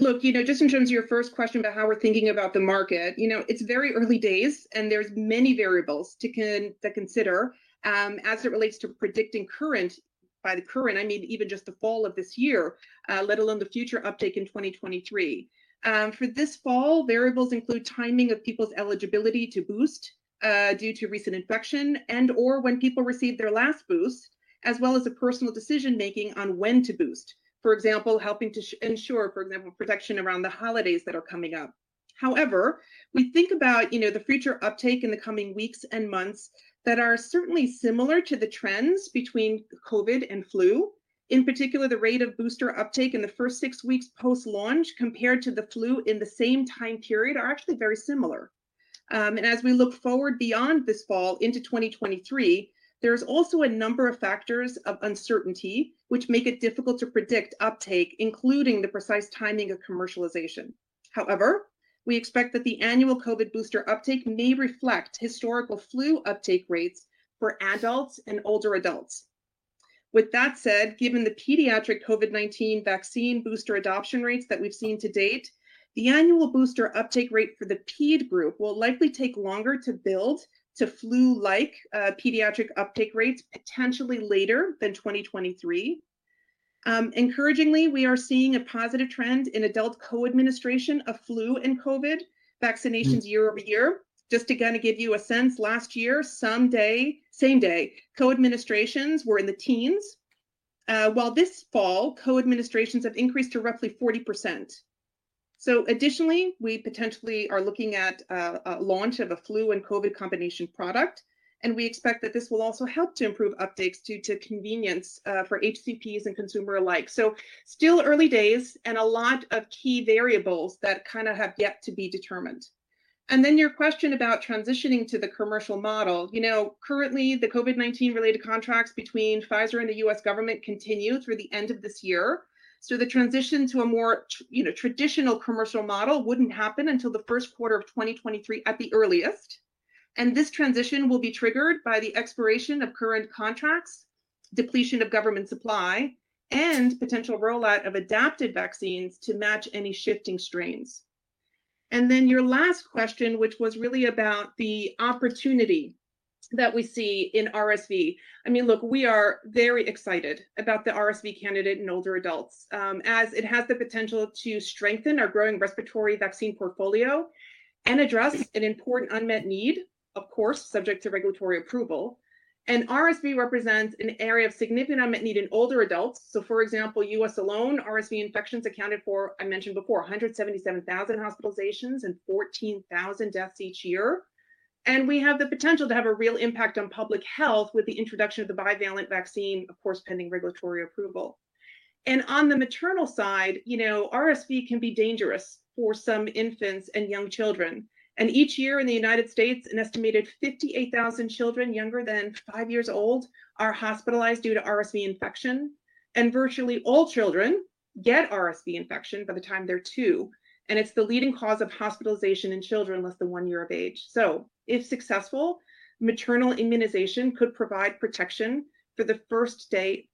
Look, you know, just in terms of your first question about how we're thinking about the market, you know, it's very early days, and there's many variables to consider, as it relates to predicting current. By the current, I mean even just the fall of this year, let alone the future uptick in 2023. For this fall, variables include timing of people's eligibility to boost, due to recent infection and/or when people received their last boost, as well as the personal decision-making on when to boost. For example, helping to ensure, for example, protection around the holidays that are coming up. However, we think about, you know, the future uptake in the coming weeks and months that are certainly similar to the trends between COVID and flu. In particular, the rate of booster uptake in the first six weeks post-launch compared to the flu in the same time period are actually very similar. As we look forward beyond this fall into 2023, there's also a number of factors of uncertainty which make it difficult to predict uptake, including the precise timing of commercialization. However, we expect that the annual COVID booster uptake may reflect historical flu uptake rates for adults and older adults. With that said, given the pediatric COVID-19 vaccine booster adoption rates that we've seen to date, the annual booster uptake rate for the ped group will likely take longer to build to flu-like pediatric uptake rates, potentially later than 2023. Encouragingly, we are seeing a positive trend in adult co-administration of flu and COVID vaccinations year-over-year. Just to kinda give you a sense, last year, same day co-administrations were in the teens, while this fall co-administrations have increased to roughly 40%. Additionally, we potentially are looking at a launch of a flu and COVID combination product, and we expect that this will also help to improve updates due to convenience for HCPs and consumers alike. Still early days and a lot of key variables that kinda have yet to be determined. Then your question about transitioning to the commercial model. You know, currently the COVID-19-related contracts between Pfizer and the U.S. government continue through the end of this year, so the transition to a more traditional commercial model wouldn't happen until the first quarter of 2023 at the earliest. This transition will be triggered by the expiration of current contracts, depletion of government supply, and potential rollout of adapted vaccines to match any shifting strains. Your last question, which was really about the opportunity that we see in RSV. I mean, look, we are very excited about the RSV candidate in older adults, as it has the potential to strengthen our growing respiratory vaccine portfolio and address an important unmet need, of course, subject to regulatory approval. RSV represents an area of significant unmet need in older adults. For example, U.S. alone, RSV infections accounted for, I mentioned before, 177,000 hospitalizations and 14,000 deaths each year. We have the potential to have a real impact on public health with the introduction of the bivalent vaccine, of course, pending regulatory approval. On the maternal side, you know, RSV can be dangerous for some infants and young children. Each year in the United States, an estimated 58,000 children younger than five years old are hospitalized due to RSV infection. Virtually all children get RSV infection by the time they're two, and it's the leading cause of hospitalization in children less than one year of age. If successful, maternal immunization could provide protection from the first day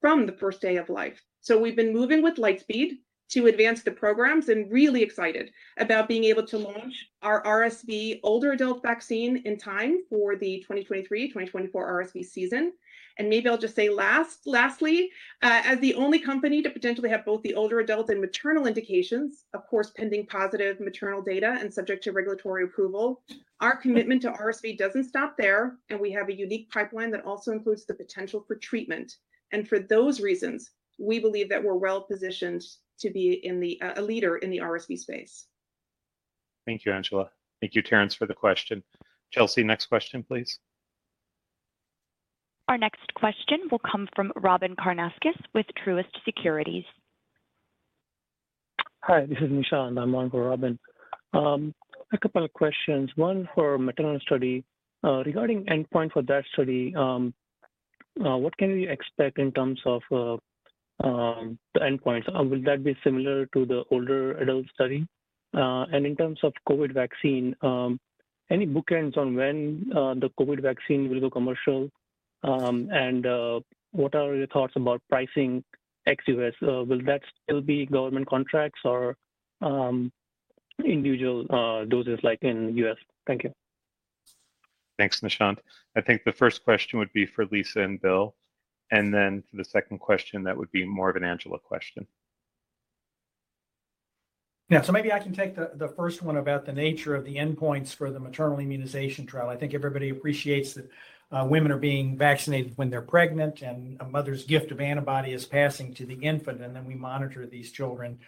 of life. We've been moving with light speed to advance the programs and really excited about being able to launch our RSV older adult vaccine in time for the 2023/2024 RSV season. Maybe I'll just say lastly, as the only company to potentially have both the older adult and maternal indications, of course, pending positive maternal data and subject to regulatory approval, our commitment to RSV doesn't stop there, and we have a unique pipeline that also includes the potential for treatment. For those reasons, we believe that we're well-positioned to be a leader in the RSV space. Thank you, Angela. Thank you, Terence, for the question. Chelsea, next question please. Our next question will come from Robyn Karnauskas with Truist Securities. Hi, this is Nishant on the line for Robin. A couple of questions. One for maternal study. Regarding endpoint for that study, what can we expect in terms of the endpoint? Will that be similar to the older adult study? In terms of COVID vaccine, any bookends on when the COVID vaccine will go commercial? What are your thoughts about pricing ex U.S.? Will that still be government contracts or individual doses like in U.S.? Thank you. Thanks, Nishant. I think the first question would be for Lisa and Will, and then for the second question, that would be more of an Angela question. Maybe I can take the first one about the nature of the endpoints for the maternal immunization trial. I think everybody appreciates that women are being vaccinated when they're pregnant, and a mother's gift of antibody is passing to the infant, and then we monitor these children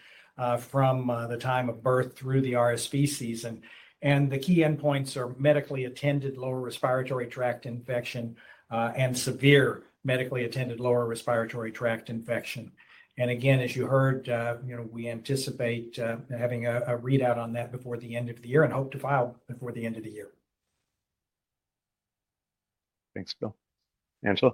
from the time of birth through the RSV season. The key endpoints are medically attended lower respiratory tract infection and severe medically attended lower respiratory tract infection. Again, as you heard, you know, we anticipate having a readout on that before the end of the year and hope to file before the end of the year. Thanks, Will. Angela?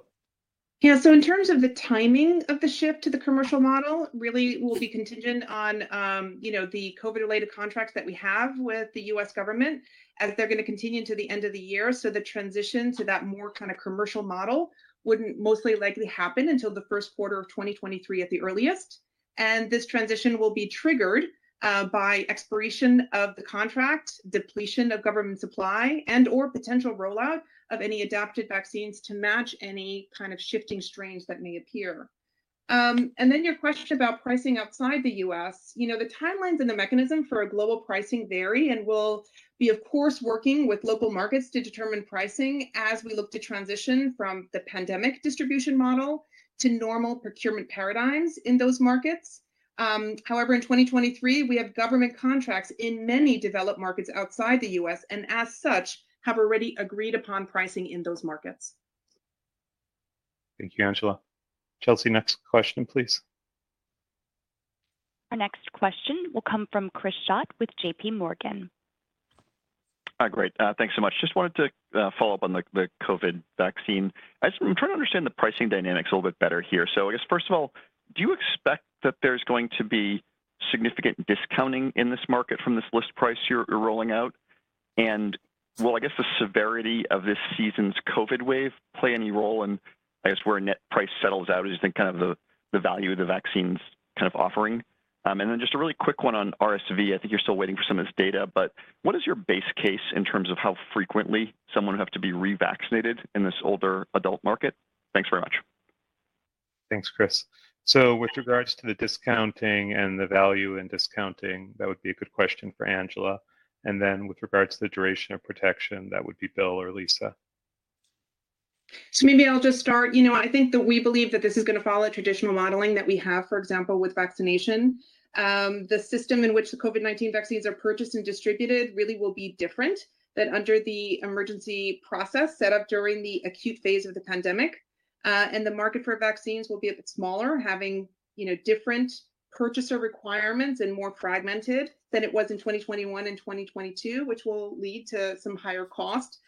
Yeah. In terms of the timing of the shift to the commercial model really will be contingent on, you know, the COVID-related contracts that we have with the U.S. government as they're gonna continue to the end of the year. The transition to that more kind of commercial model wouldn't most likely happen until the first quarter of 2023 at the earliest, and this transition will be triggered by expiration of the contract, depletion of government supply, and/or potential rollout of any adapted vaccines to match any kind of shifting strains that may appear. Your question about pricing outside the U.S., you know, the timelines and the mechanism for a global pricing vary, and we'll be, of course, working with local markets to determine pricing as we look to transition from the pandemic distribution model to normal procurement paradigms in those markets. However, in 2023, we have government contracts in many developed markets outside the U.S., and as such, have already agreed upon pricing in those markets. Thank you, Angela. Chelsea, next question, please. Our next question will come from Chris Schott with J.P. Morgan. Hi. Great. Thanks so much. Just wanted to follow up on the COVID vaccine. I'm trying to understand the pricing dynamics a little bit better here. I guess, first of all, do you expect that there's going to be significant discounting in this market from this list price you're rolling out? And will, I guess, the severity of this season's COVID wave play any role in, I guess, where net price settles out as you think kind of the value of the vaccine's kind of offering? And then just a really quick one on RSV. I think you're still waiting for some of this data, but what is your base case in terms of how frequently someone would have to be revaccinated in this older adult market? Thanks very much. Thanks, Chris. With regards to the discounting and the value in discounting, that would be a good question for Angela. With regards to the duration of protection, that would be Will or Lisa. Maybe I'll just start. You know, I think that we believe that this is gonna follow traditional modeling that we have, for example, with vaccination. The system in which the COVID-19 vaccines are purchased and distributed really will be different than under the emergency process set up during the acute phase of the pandemic, and the market for vaccines will be a bit smaller, having, you know, different purchaser requirements and more fragmented than it was in 2021 and 2022, which will lead to some higher cost,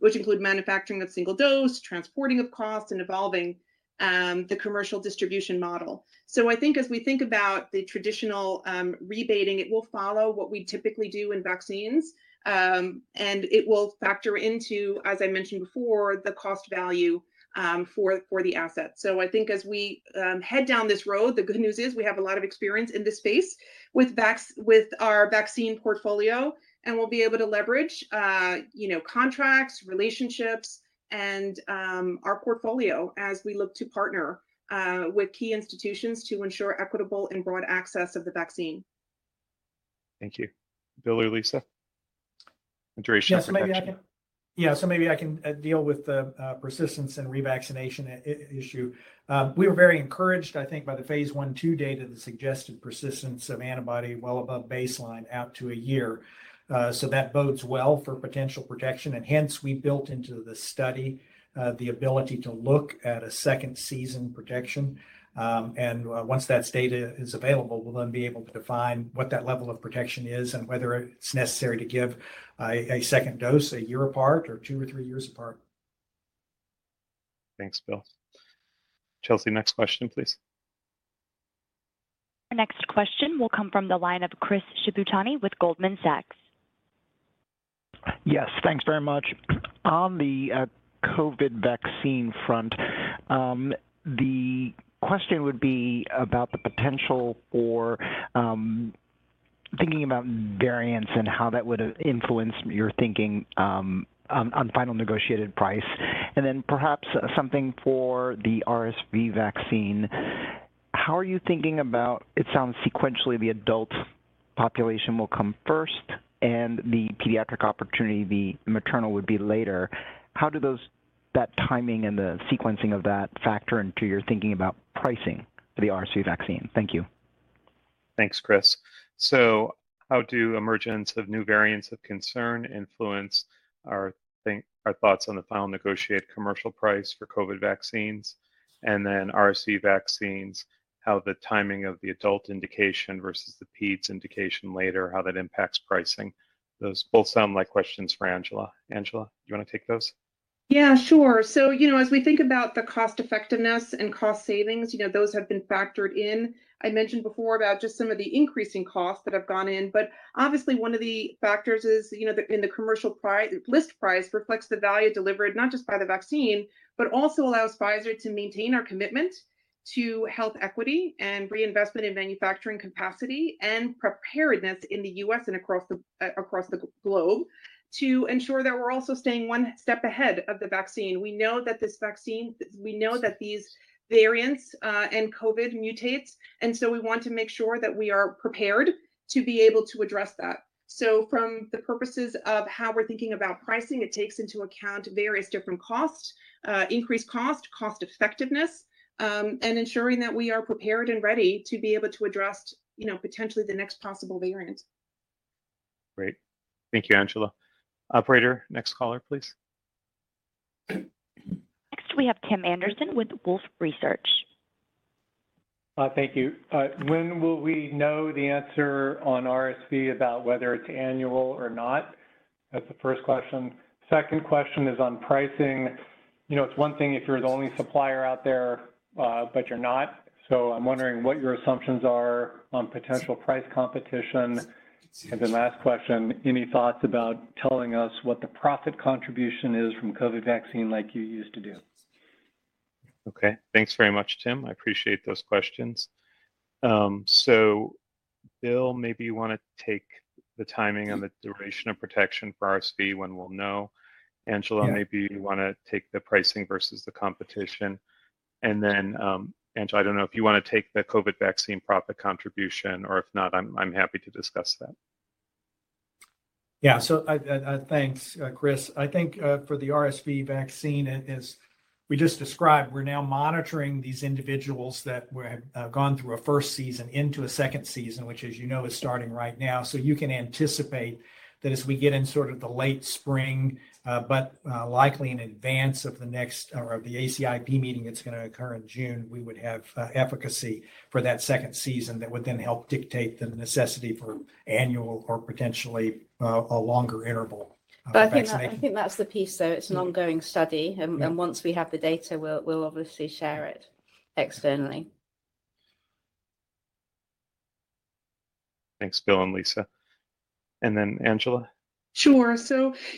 which include manufacturing of single dose, transportation costs, and evolving the commercial distribution model. I think as we think about the traditional rebating, it will follow what we typically do in vaccines, and it will factor into, as I mentioned before, the cost value for the asset. I think as we head down this road, the good news is we have a lot of experience in this space with our vaccine portfolio, and we'll be able to leverage you know, contracts, relationships, and our portfolio as we look to partner with key institutions to ensure equitable and broad access of the vaccine. Thank you. Will or Lisa? Duration of protection. Maybe I can deal with the persistence in revaccination issue. We were very encouraged, I think, by the phase I/II data that suggested persistence of antibody well above baseline out to a year. That bodes well for potential protection, and hence we built into the study the ability to look at a second season protection. Once that data is available, we'll then be able to define what that level of protection is and whether it's necessary to give a second dose a year apart or two or three years apart. Thanks, Will. Chelsea, next question, please. Our next question will come from the line of Chris Shibutani with Goldman Sachs. Yes. Thanks very much. On the COVID vaccine front, the question would be about the potential for thinking about variants and how that would have influenced your thinking on final negotiated price. Then perhaps something for the RSV vaccine. How are you thinking about. It sounds sequentially the adult population will come first, and the pediatric opportunity, the maternal would be later. How do those, that timing and the sequencing of that factor into your thinking about pricing for the RSV vaccine? Thank you. Thanks, Chris. How do emergence of new variants of concern influence our thoughts on the final negotiate commercial price for COVID vaccines? RSV vaccines, how the timing of the adult indication versus the peds indication later, how that impacts pricing. Those both sound like questions for Angela. Angela, do you wanna take those? Yeah, sure. You know, as we think about the cost effectiveness and cost savings, you know, those have been factored in. I mentioned before about just some of the increasing costs that have gone in, but obviously one of the factors is, you know, the commercial list price reflects the value delivered not just by the vaccine, but also allows Pfizer to maintain our commitment to health equity and reinvestment in manufacturing capacity and preparedness in the U.S. and across the globe to ensure that we're also staying one step ahead of the vaccine. We know that these variants and COVID mutates, and so we want to make sure that we are prepared to be able to address that. For the purposes of how we're thinking about pricing, it takes into account various different costs, increased cost-effectiveness, and ensuring that we are prepared and ready to be able to address, you know, potentially the next possible variant. Great. Thank you, Angela. Operator, next caller please. Next we have Tim Anderson with Wolfe Research. Thank you. When will we know the answer on RSV about whether it's annual or not? That's the first question. Second question is on pricing. You know, it's one thing if you're the only supplier out there, but you're not, so I'm wondering what your assumptions are on potential price competition. Last question, any thoughts about telling us what the profit contribution is from COVID vaccine like you used to do? Okay. Thanks very much, Tim. I appreciate those questions. Will, maybe you wanna take the timing on the duration of protection for RSV, when we'll know? Yeah. Angela, maybe you wanna take the pricing versus the competition. Then, Angela, I don't know if you wanna take the COVID vaccine profit contribution, or if not, I'm happy to discuss that. Thanks, Chris. I think, for the RSV vaccine, as we just described, we're now monitoring these individuals that have gone through a first season into a second season, which, as you know, is starting right now. You can anticipate that as we get in sort of the late spring, but likely in advance of the ACIP meeting that's gonna occur in June, we would have efficacy for that second season that would then help dictate the necessity for annual or potentially a longer interval vaccination. I think that's the piece, though. It's an ongoing study. Yeah. Once we have the data, we'll obviously share it externally. Thanks, Will and Lisa. Angela. Sure.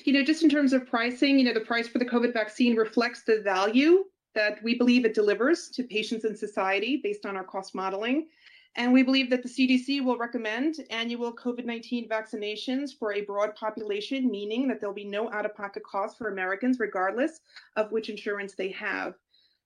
You know, just in terms of pricing, you know, the price for the COVID vaccine reflects the value that we believe it delivers to patients and society based on our cost modeling, and we believe that the CDC will recommend annual COVID-19 vaccinations for a broad population, meaning that there'll be no out-of-pocket costs for Americans regardless of which insurance they have.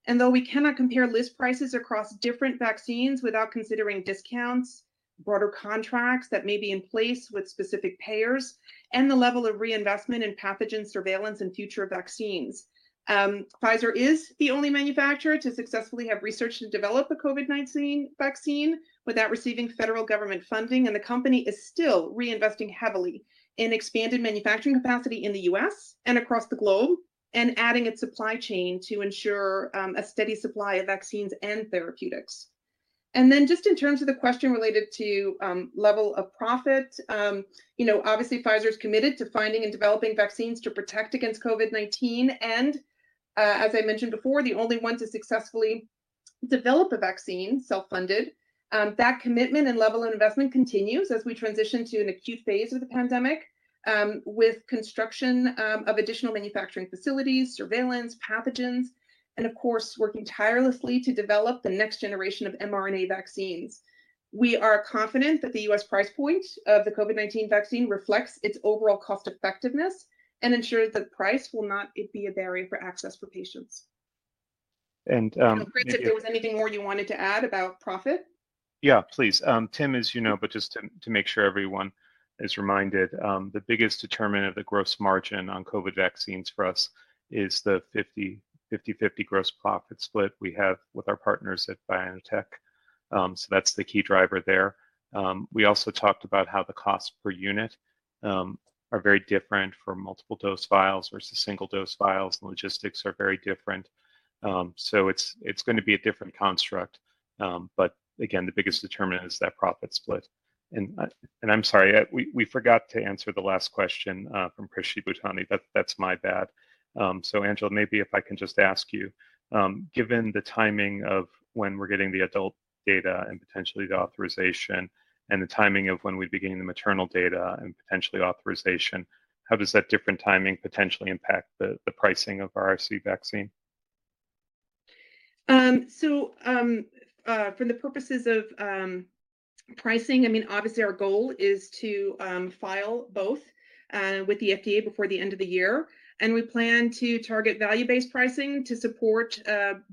Though we cannot compare list prices across different vaccines without considering discounts, broader contracts that may be in place with specific payers, and the level of reinvestment in pathogen surveillance and future vaccines, Pfizer is the only manufacturer to successfully have researched and developed a COVID-19 vaccine without receiving federal government funding, and the company is still reinvesting heavily in expanded manufacturing capacity in the U.S. and across the globe and adding its supply chain to ensure a steady supply of vaccines and therapeutics. Then just in terms of the question related to level of profit, you know, obviously Pfizer's committed to finding and developing vaccines to protect against COVID-19 and, as I mentioned before, the only one to successfully develop a vaccine self-funded. That commitment and level of investment continues as we transition to an acute phase of the pandemic, with construction of additional manufacturing facilities, surveillance, pathogens, and of course working tirelessly to develop the next generation of mRNA vaccines. We are confident that the U.S. price point of the COVID-19 vaccine reflects its overall cost-effectiveness and ensures that price will not be a barrier for access for patients. And, um, if you- Chris, if there was anything more you wanted to add about profit? Yeah, please. Tim, as you know, but just to make sure everyone is reminded, the biggest determinant of the gross margin on COVID vaccines for us is the 50/50 gross profit split we have with our partners at BioNTech, so that's the key driver there. We also talked about how the cost per unit are very different for multiple dose vials versus single dose vials. The logistics are very different. So it's gonna be a different construct. But again, the biggest determinant is that profit split. I'm sorry. We forgot to answer the last question from Chris Shibutani. That's my bad. Angela, maybe if I can just ask you, given the timing of when we're getting the adult data and potentially the authorization and the timing of when we begin the maternal data and potentially authorization, how does that different timing potentially impact the pricing of our RSV vaccine? For the purposes of pricing, I mean, obviously our goal is to file both with the FDA before the end of the year, and we plan to target value-based pricing to support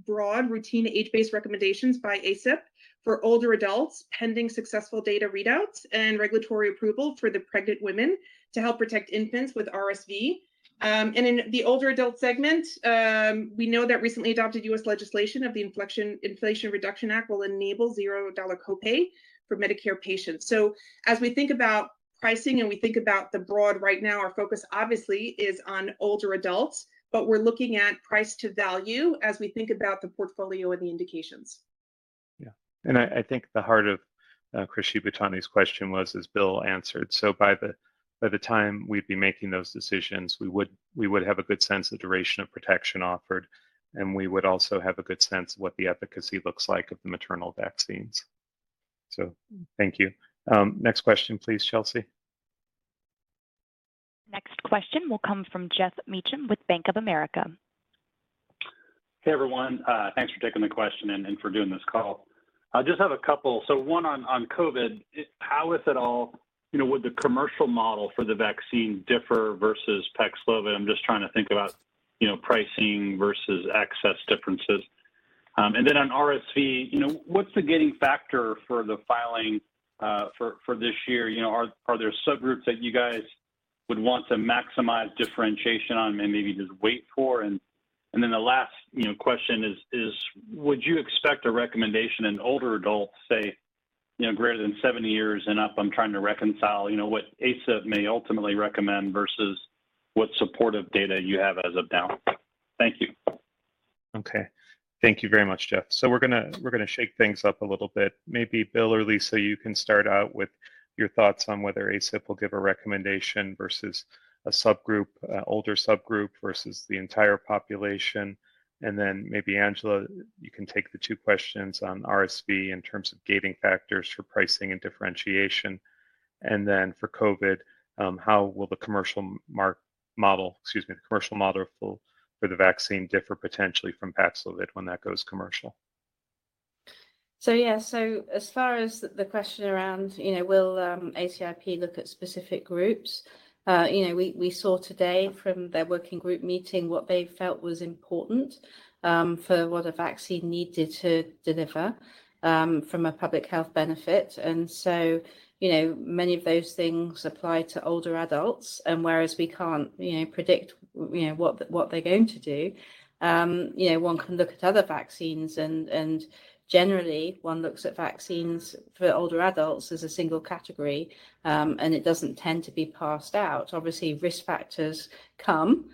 broad routine age-based recommendations by ACIP for older adults pending successful data readouts and regulatory approval for the pregnant women to help protect infants with RSV. In the older adult segment, we know that recently adopted U.S. legislation of the Inflation Reduction Act will enable $0 copay for Medicare patients. As we think about pricing and we think about the broad, right now our focus obviously is on older adults, but we're looking at price to value as we think about the portfolio and the indications. Yeah. I think the heart of Chris Shibutani's question was as Will answered, by the time we'd be making those decisions, we would have a good sense of duration of protection offered, and we would also have a good sense of what the efficacy looks like of the maternal vaccines. Thank you. Next question please, Chelsea. The question will come from Geoff Meacham with Bank of America. Hey, everyone. Thanks for taking the question and for doing this call. I just have a couple. One on COVID. You know, would the commercial model for the vaccine differ versus Paxlovid? I'm just trying to think about, you know, pricing versus access differences. Then on RSV, you know, what's the gating factor for the filing for this year? You know, are there subgroups that you guys would want to maximize differentiation on and maybe just wait for? Then the last question is would you expect a recommendation in older adults, say, you know, greater than 70 years and up? I'm trying to reconcile, you know, what ACIP may ultimately recommend versus what supportive data you have as of now. Thank you. Okay. Thank you very much, Geoff. We're gonna shake things up a little bit. Maybe Will or Lisa, you can start out with your thoughts on whether ACIP will give a recommendation versus a subgroup, older subgroup versus the entire population. Maybe, Angela, you can take the two questions on RSV in terms of gating factors for pricing and differentiation. For COVID, how will the commercial model for the vaccine differ potentially from Paxlovid when that goes commercial? As far as the question around, you know, will ACIP look at specific groups, you know, we saw today from their working group meeting what they felt was important for what a vaccine needed to deliver from a public health benefit. You know, many of those things apply to older adults. Whereas we can't, you know, predict, you know, what they're going to do, you know, one can look at other vaccines and generally one looks at vaccines for older adults as a single category, and it doesn't tend to be parsed out. Obviously, risk factors come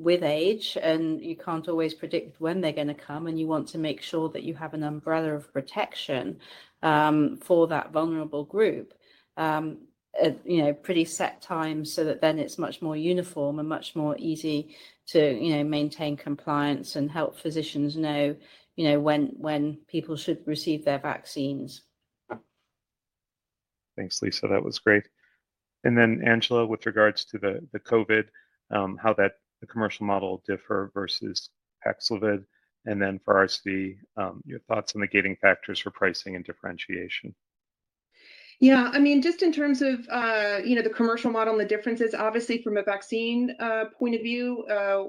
with age, and you can't always predict when they're gonna come, and you want to make sure that you have an umbrella of protection for that vulnerable group at you know pretty set times so that then it's much more uniform and much more easy to you know maintain compliance and help physicians know you know when people should receive their vaccines. Thanks, Lisa. That was great. Angela, with regards to the COVID, how that commercial model differ versus Paxlovid, and then for RSV, your thoughts on the gating factors for pricing and differentiation. Yeah, I mean, just in terms of, you know, the commercial model and the differences, obviously from a vaccine point of view,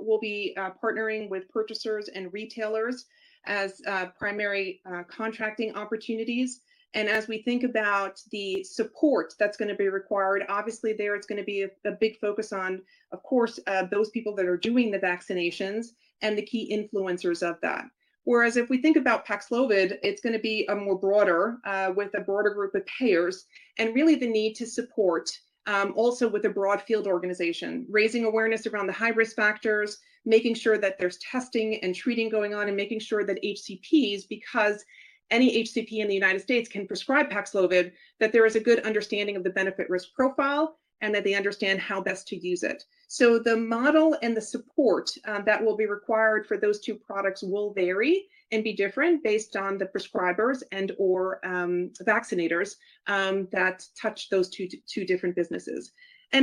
we'll be partnering with purchasers and retailers as primary contracting opportunities. As we think about the support that's gonna be required, obviously there it's gonna be a big focus on, of course, those people that are doing the vaccinations and the key influencers of that. Whereas if we think about Paxlovid, it's gonna be broader with a broader group of payers and really the need to support also with a broad field organization, raising awareness around the high-risk factors, making sure that there's testing and treating going on, and making sure that HCPs, because any HCP in the United States can prescribe Paxlovid, that there is a good understanding of the benefit/risk profile and that they understand how best to use it. The model and the support that will be required for those two products will vary and be different based on the prescribers and/or vaccinators that touch those two different businesses.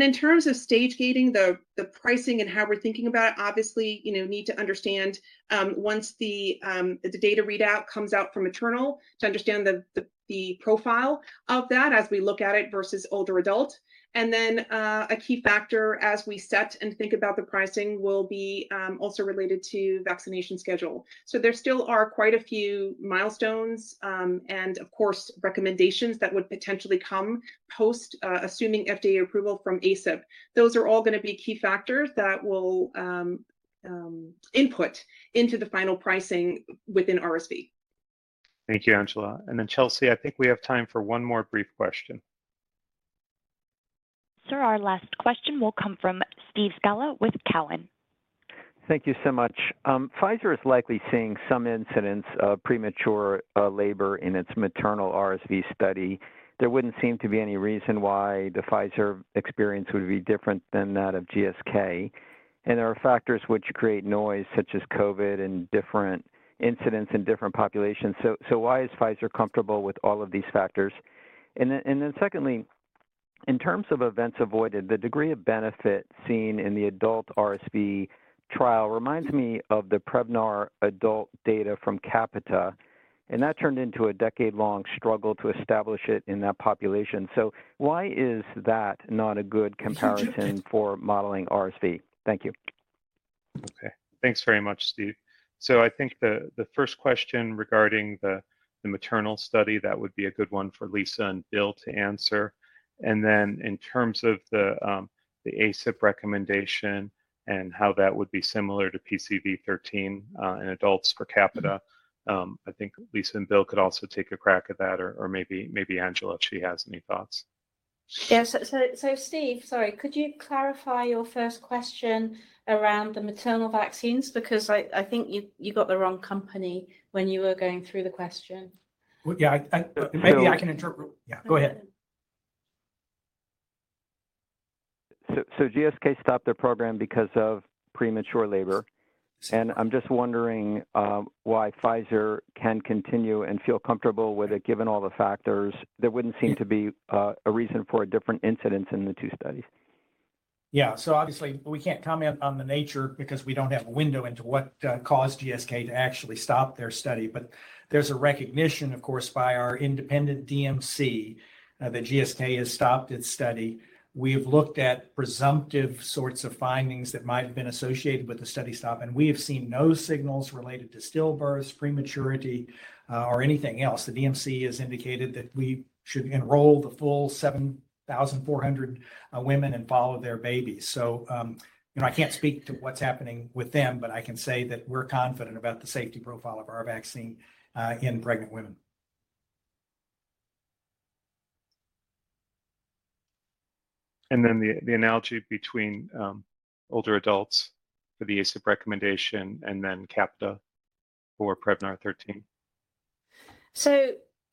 In terms of stage-gating the pricing and how we're thinking about it, obviously, you know, need to understand once the data readout comes out from maternal to understand the profile of that as we look at it versus older adult. Then a key factor as we set and think about the pricing will be also related to vaccination schedule. There still are quite a few milestones and of course, recommendations that would potentially come post assuming FDA approval from ACIP. Those are all gonna be key factors that will input into the final pricing within RSV. Thank you, Angela. Chelsea, I think we have time for one more brief question. Sir, our last question will come from Steve Scala with TD Cowen. Thank you so much. Pfizer is likely seeing some incidents of premature labor in its maternal RSV study. There wouldn't seem to be any reason why the Pfizer experience would be different than that of GSK. There are factors which create noise, such as COVID and different incidents in different populations. Why is Pfizer comfortable with all of these factors? Secondly, in terms of events avoided, the degree of benefit seen in the adult RSV trial reminds me of the Prevnar adult data from CAPiTA, and that turned into a decade-long struggle to establish it in that population. Why is that not a good comparison for modeling RSV? Thank you. Okay. Thanks very much, Steve. I think the first question regarding the maternal study, that would be a good one for Lisa and Will to answer. In terms of the ACIP recommendation and how that would be similar to PCV thirteen in adults CAPiTA, I think Lisa and Will could also take a crack at that, or maybe Angela, if she has any thoughts. Steve, sorry, could you clarify your first question around the maternal vaccines? Because I think you got the wrong company when you were going through the question. Well, yeah. Yeah, go ahead. GSK stopped their program because of premature labor. I'm just wondering why Pfizer can continue and feel comfortable with it, given all the factors that wouldn't seem to be a reason for a different incidence in the two studies. Yeah. Obviously we can't comment on the nature because we don't have a window into what caused GSK to actually stop their study. There's a recognition, of course, by our independent DMC that GSK has stopped its study. We have looked at presumptive sorts of findings that might have been associated with the study stop, and we have seen no signals related to stillbirth, prematurity or anything else. The DMC has indicated that we should enroll the full 7,400 women and follow their babies. You know, I can't speak to what's happening with them, but I can say that we're confident about the safety profile of our vaccine in pregnant women. The analogy between older adults for the ACIP recommendation and then CAPiTA for Prevnar 13.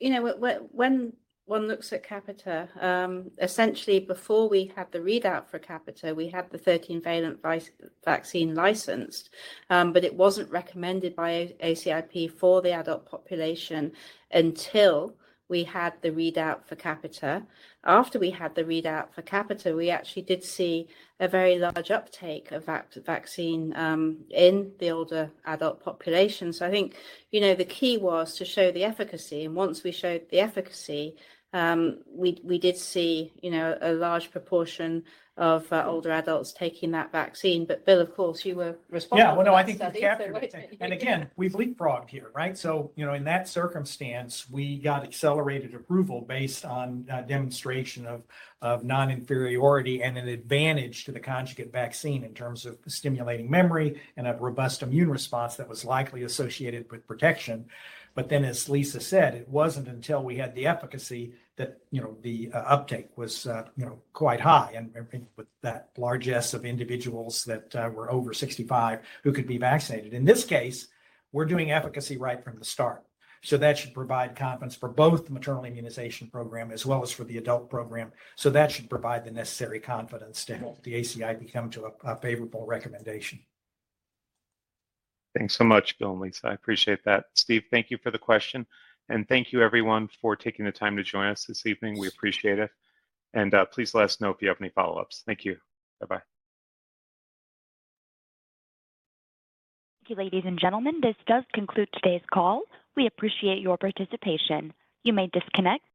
You know, when one looks at CAPiTA, essentially before we had the readout for CAPiTA, we had the 13-valent vaccine licensed. It wasn't recommended by ACIP for the adult population until we had the readout for CAPiTA. After we had the readout for CAPiTA, we actually did see a very large uptake of vaccine in the older adult population. I think, you know, the key was to show the efficacy, and once we showed the efficacy, we did see, you know, a large proportion of older adults taking that vaccine. Will, of course, you were responsible for that study. Yeah. Well, no, I think the CAPiTA What did you- Again, we've leapfrogged here, right? You know, in that circumstance, we got accelerated approval based on demonstration of non-inferiority and an advantage to the conjugate vaccine in terms of stimulating memory and a robust immune response that was likely associated with protection. As Lisa said, it wasn't until we had the efficacy that, you know, the uptake was, you know, quite high and with that large base of individuals that were over 65 who could be vaccinated. In this case, we're doing efficacy right from the start. That should provide confidence for both the maternal immunization program as well as for the adult program. That should provide the necessary confidence to help the ACIP come to a favorable recommendation. Thanks so much, Will and Lisa. I appreciate that. Steve, thank you for the question, and thank you everyone for taking the time to join us this evening. We appreciate it. Please let us know if you have any follow-ups. Thank you. Bye-bye. Thank you, ladies and gentlemen. This does conclude today's call. We appreciate your participation. You may disconnect.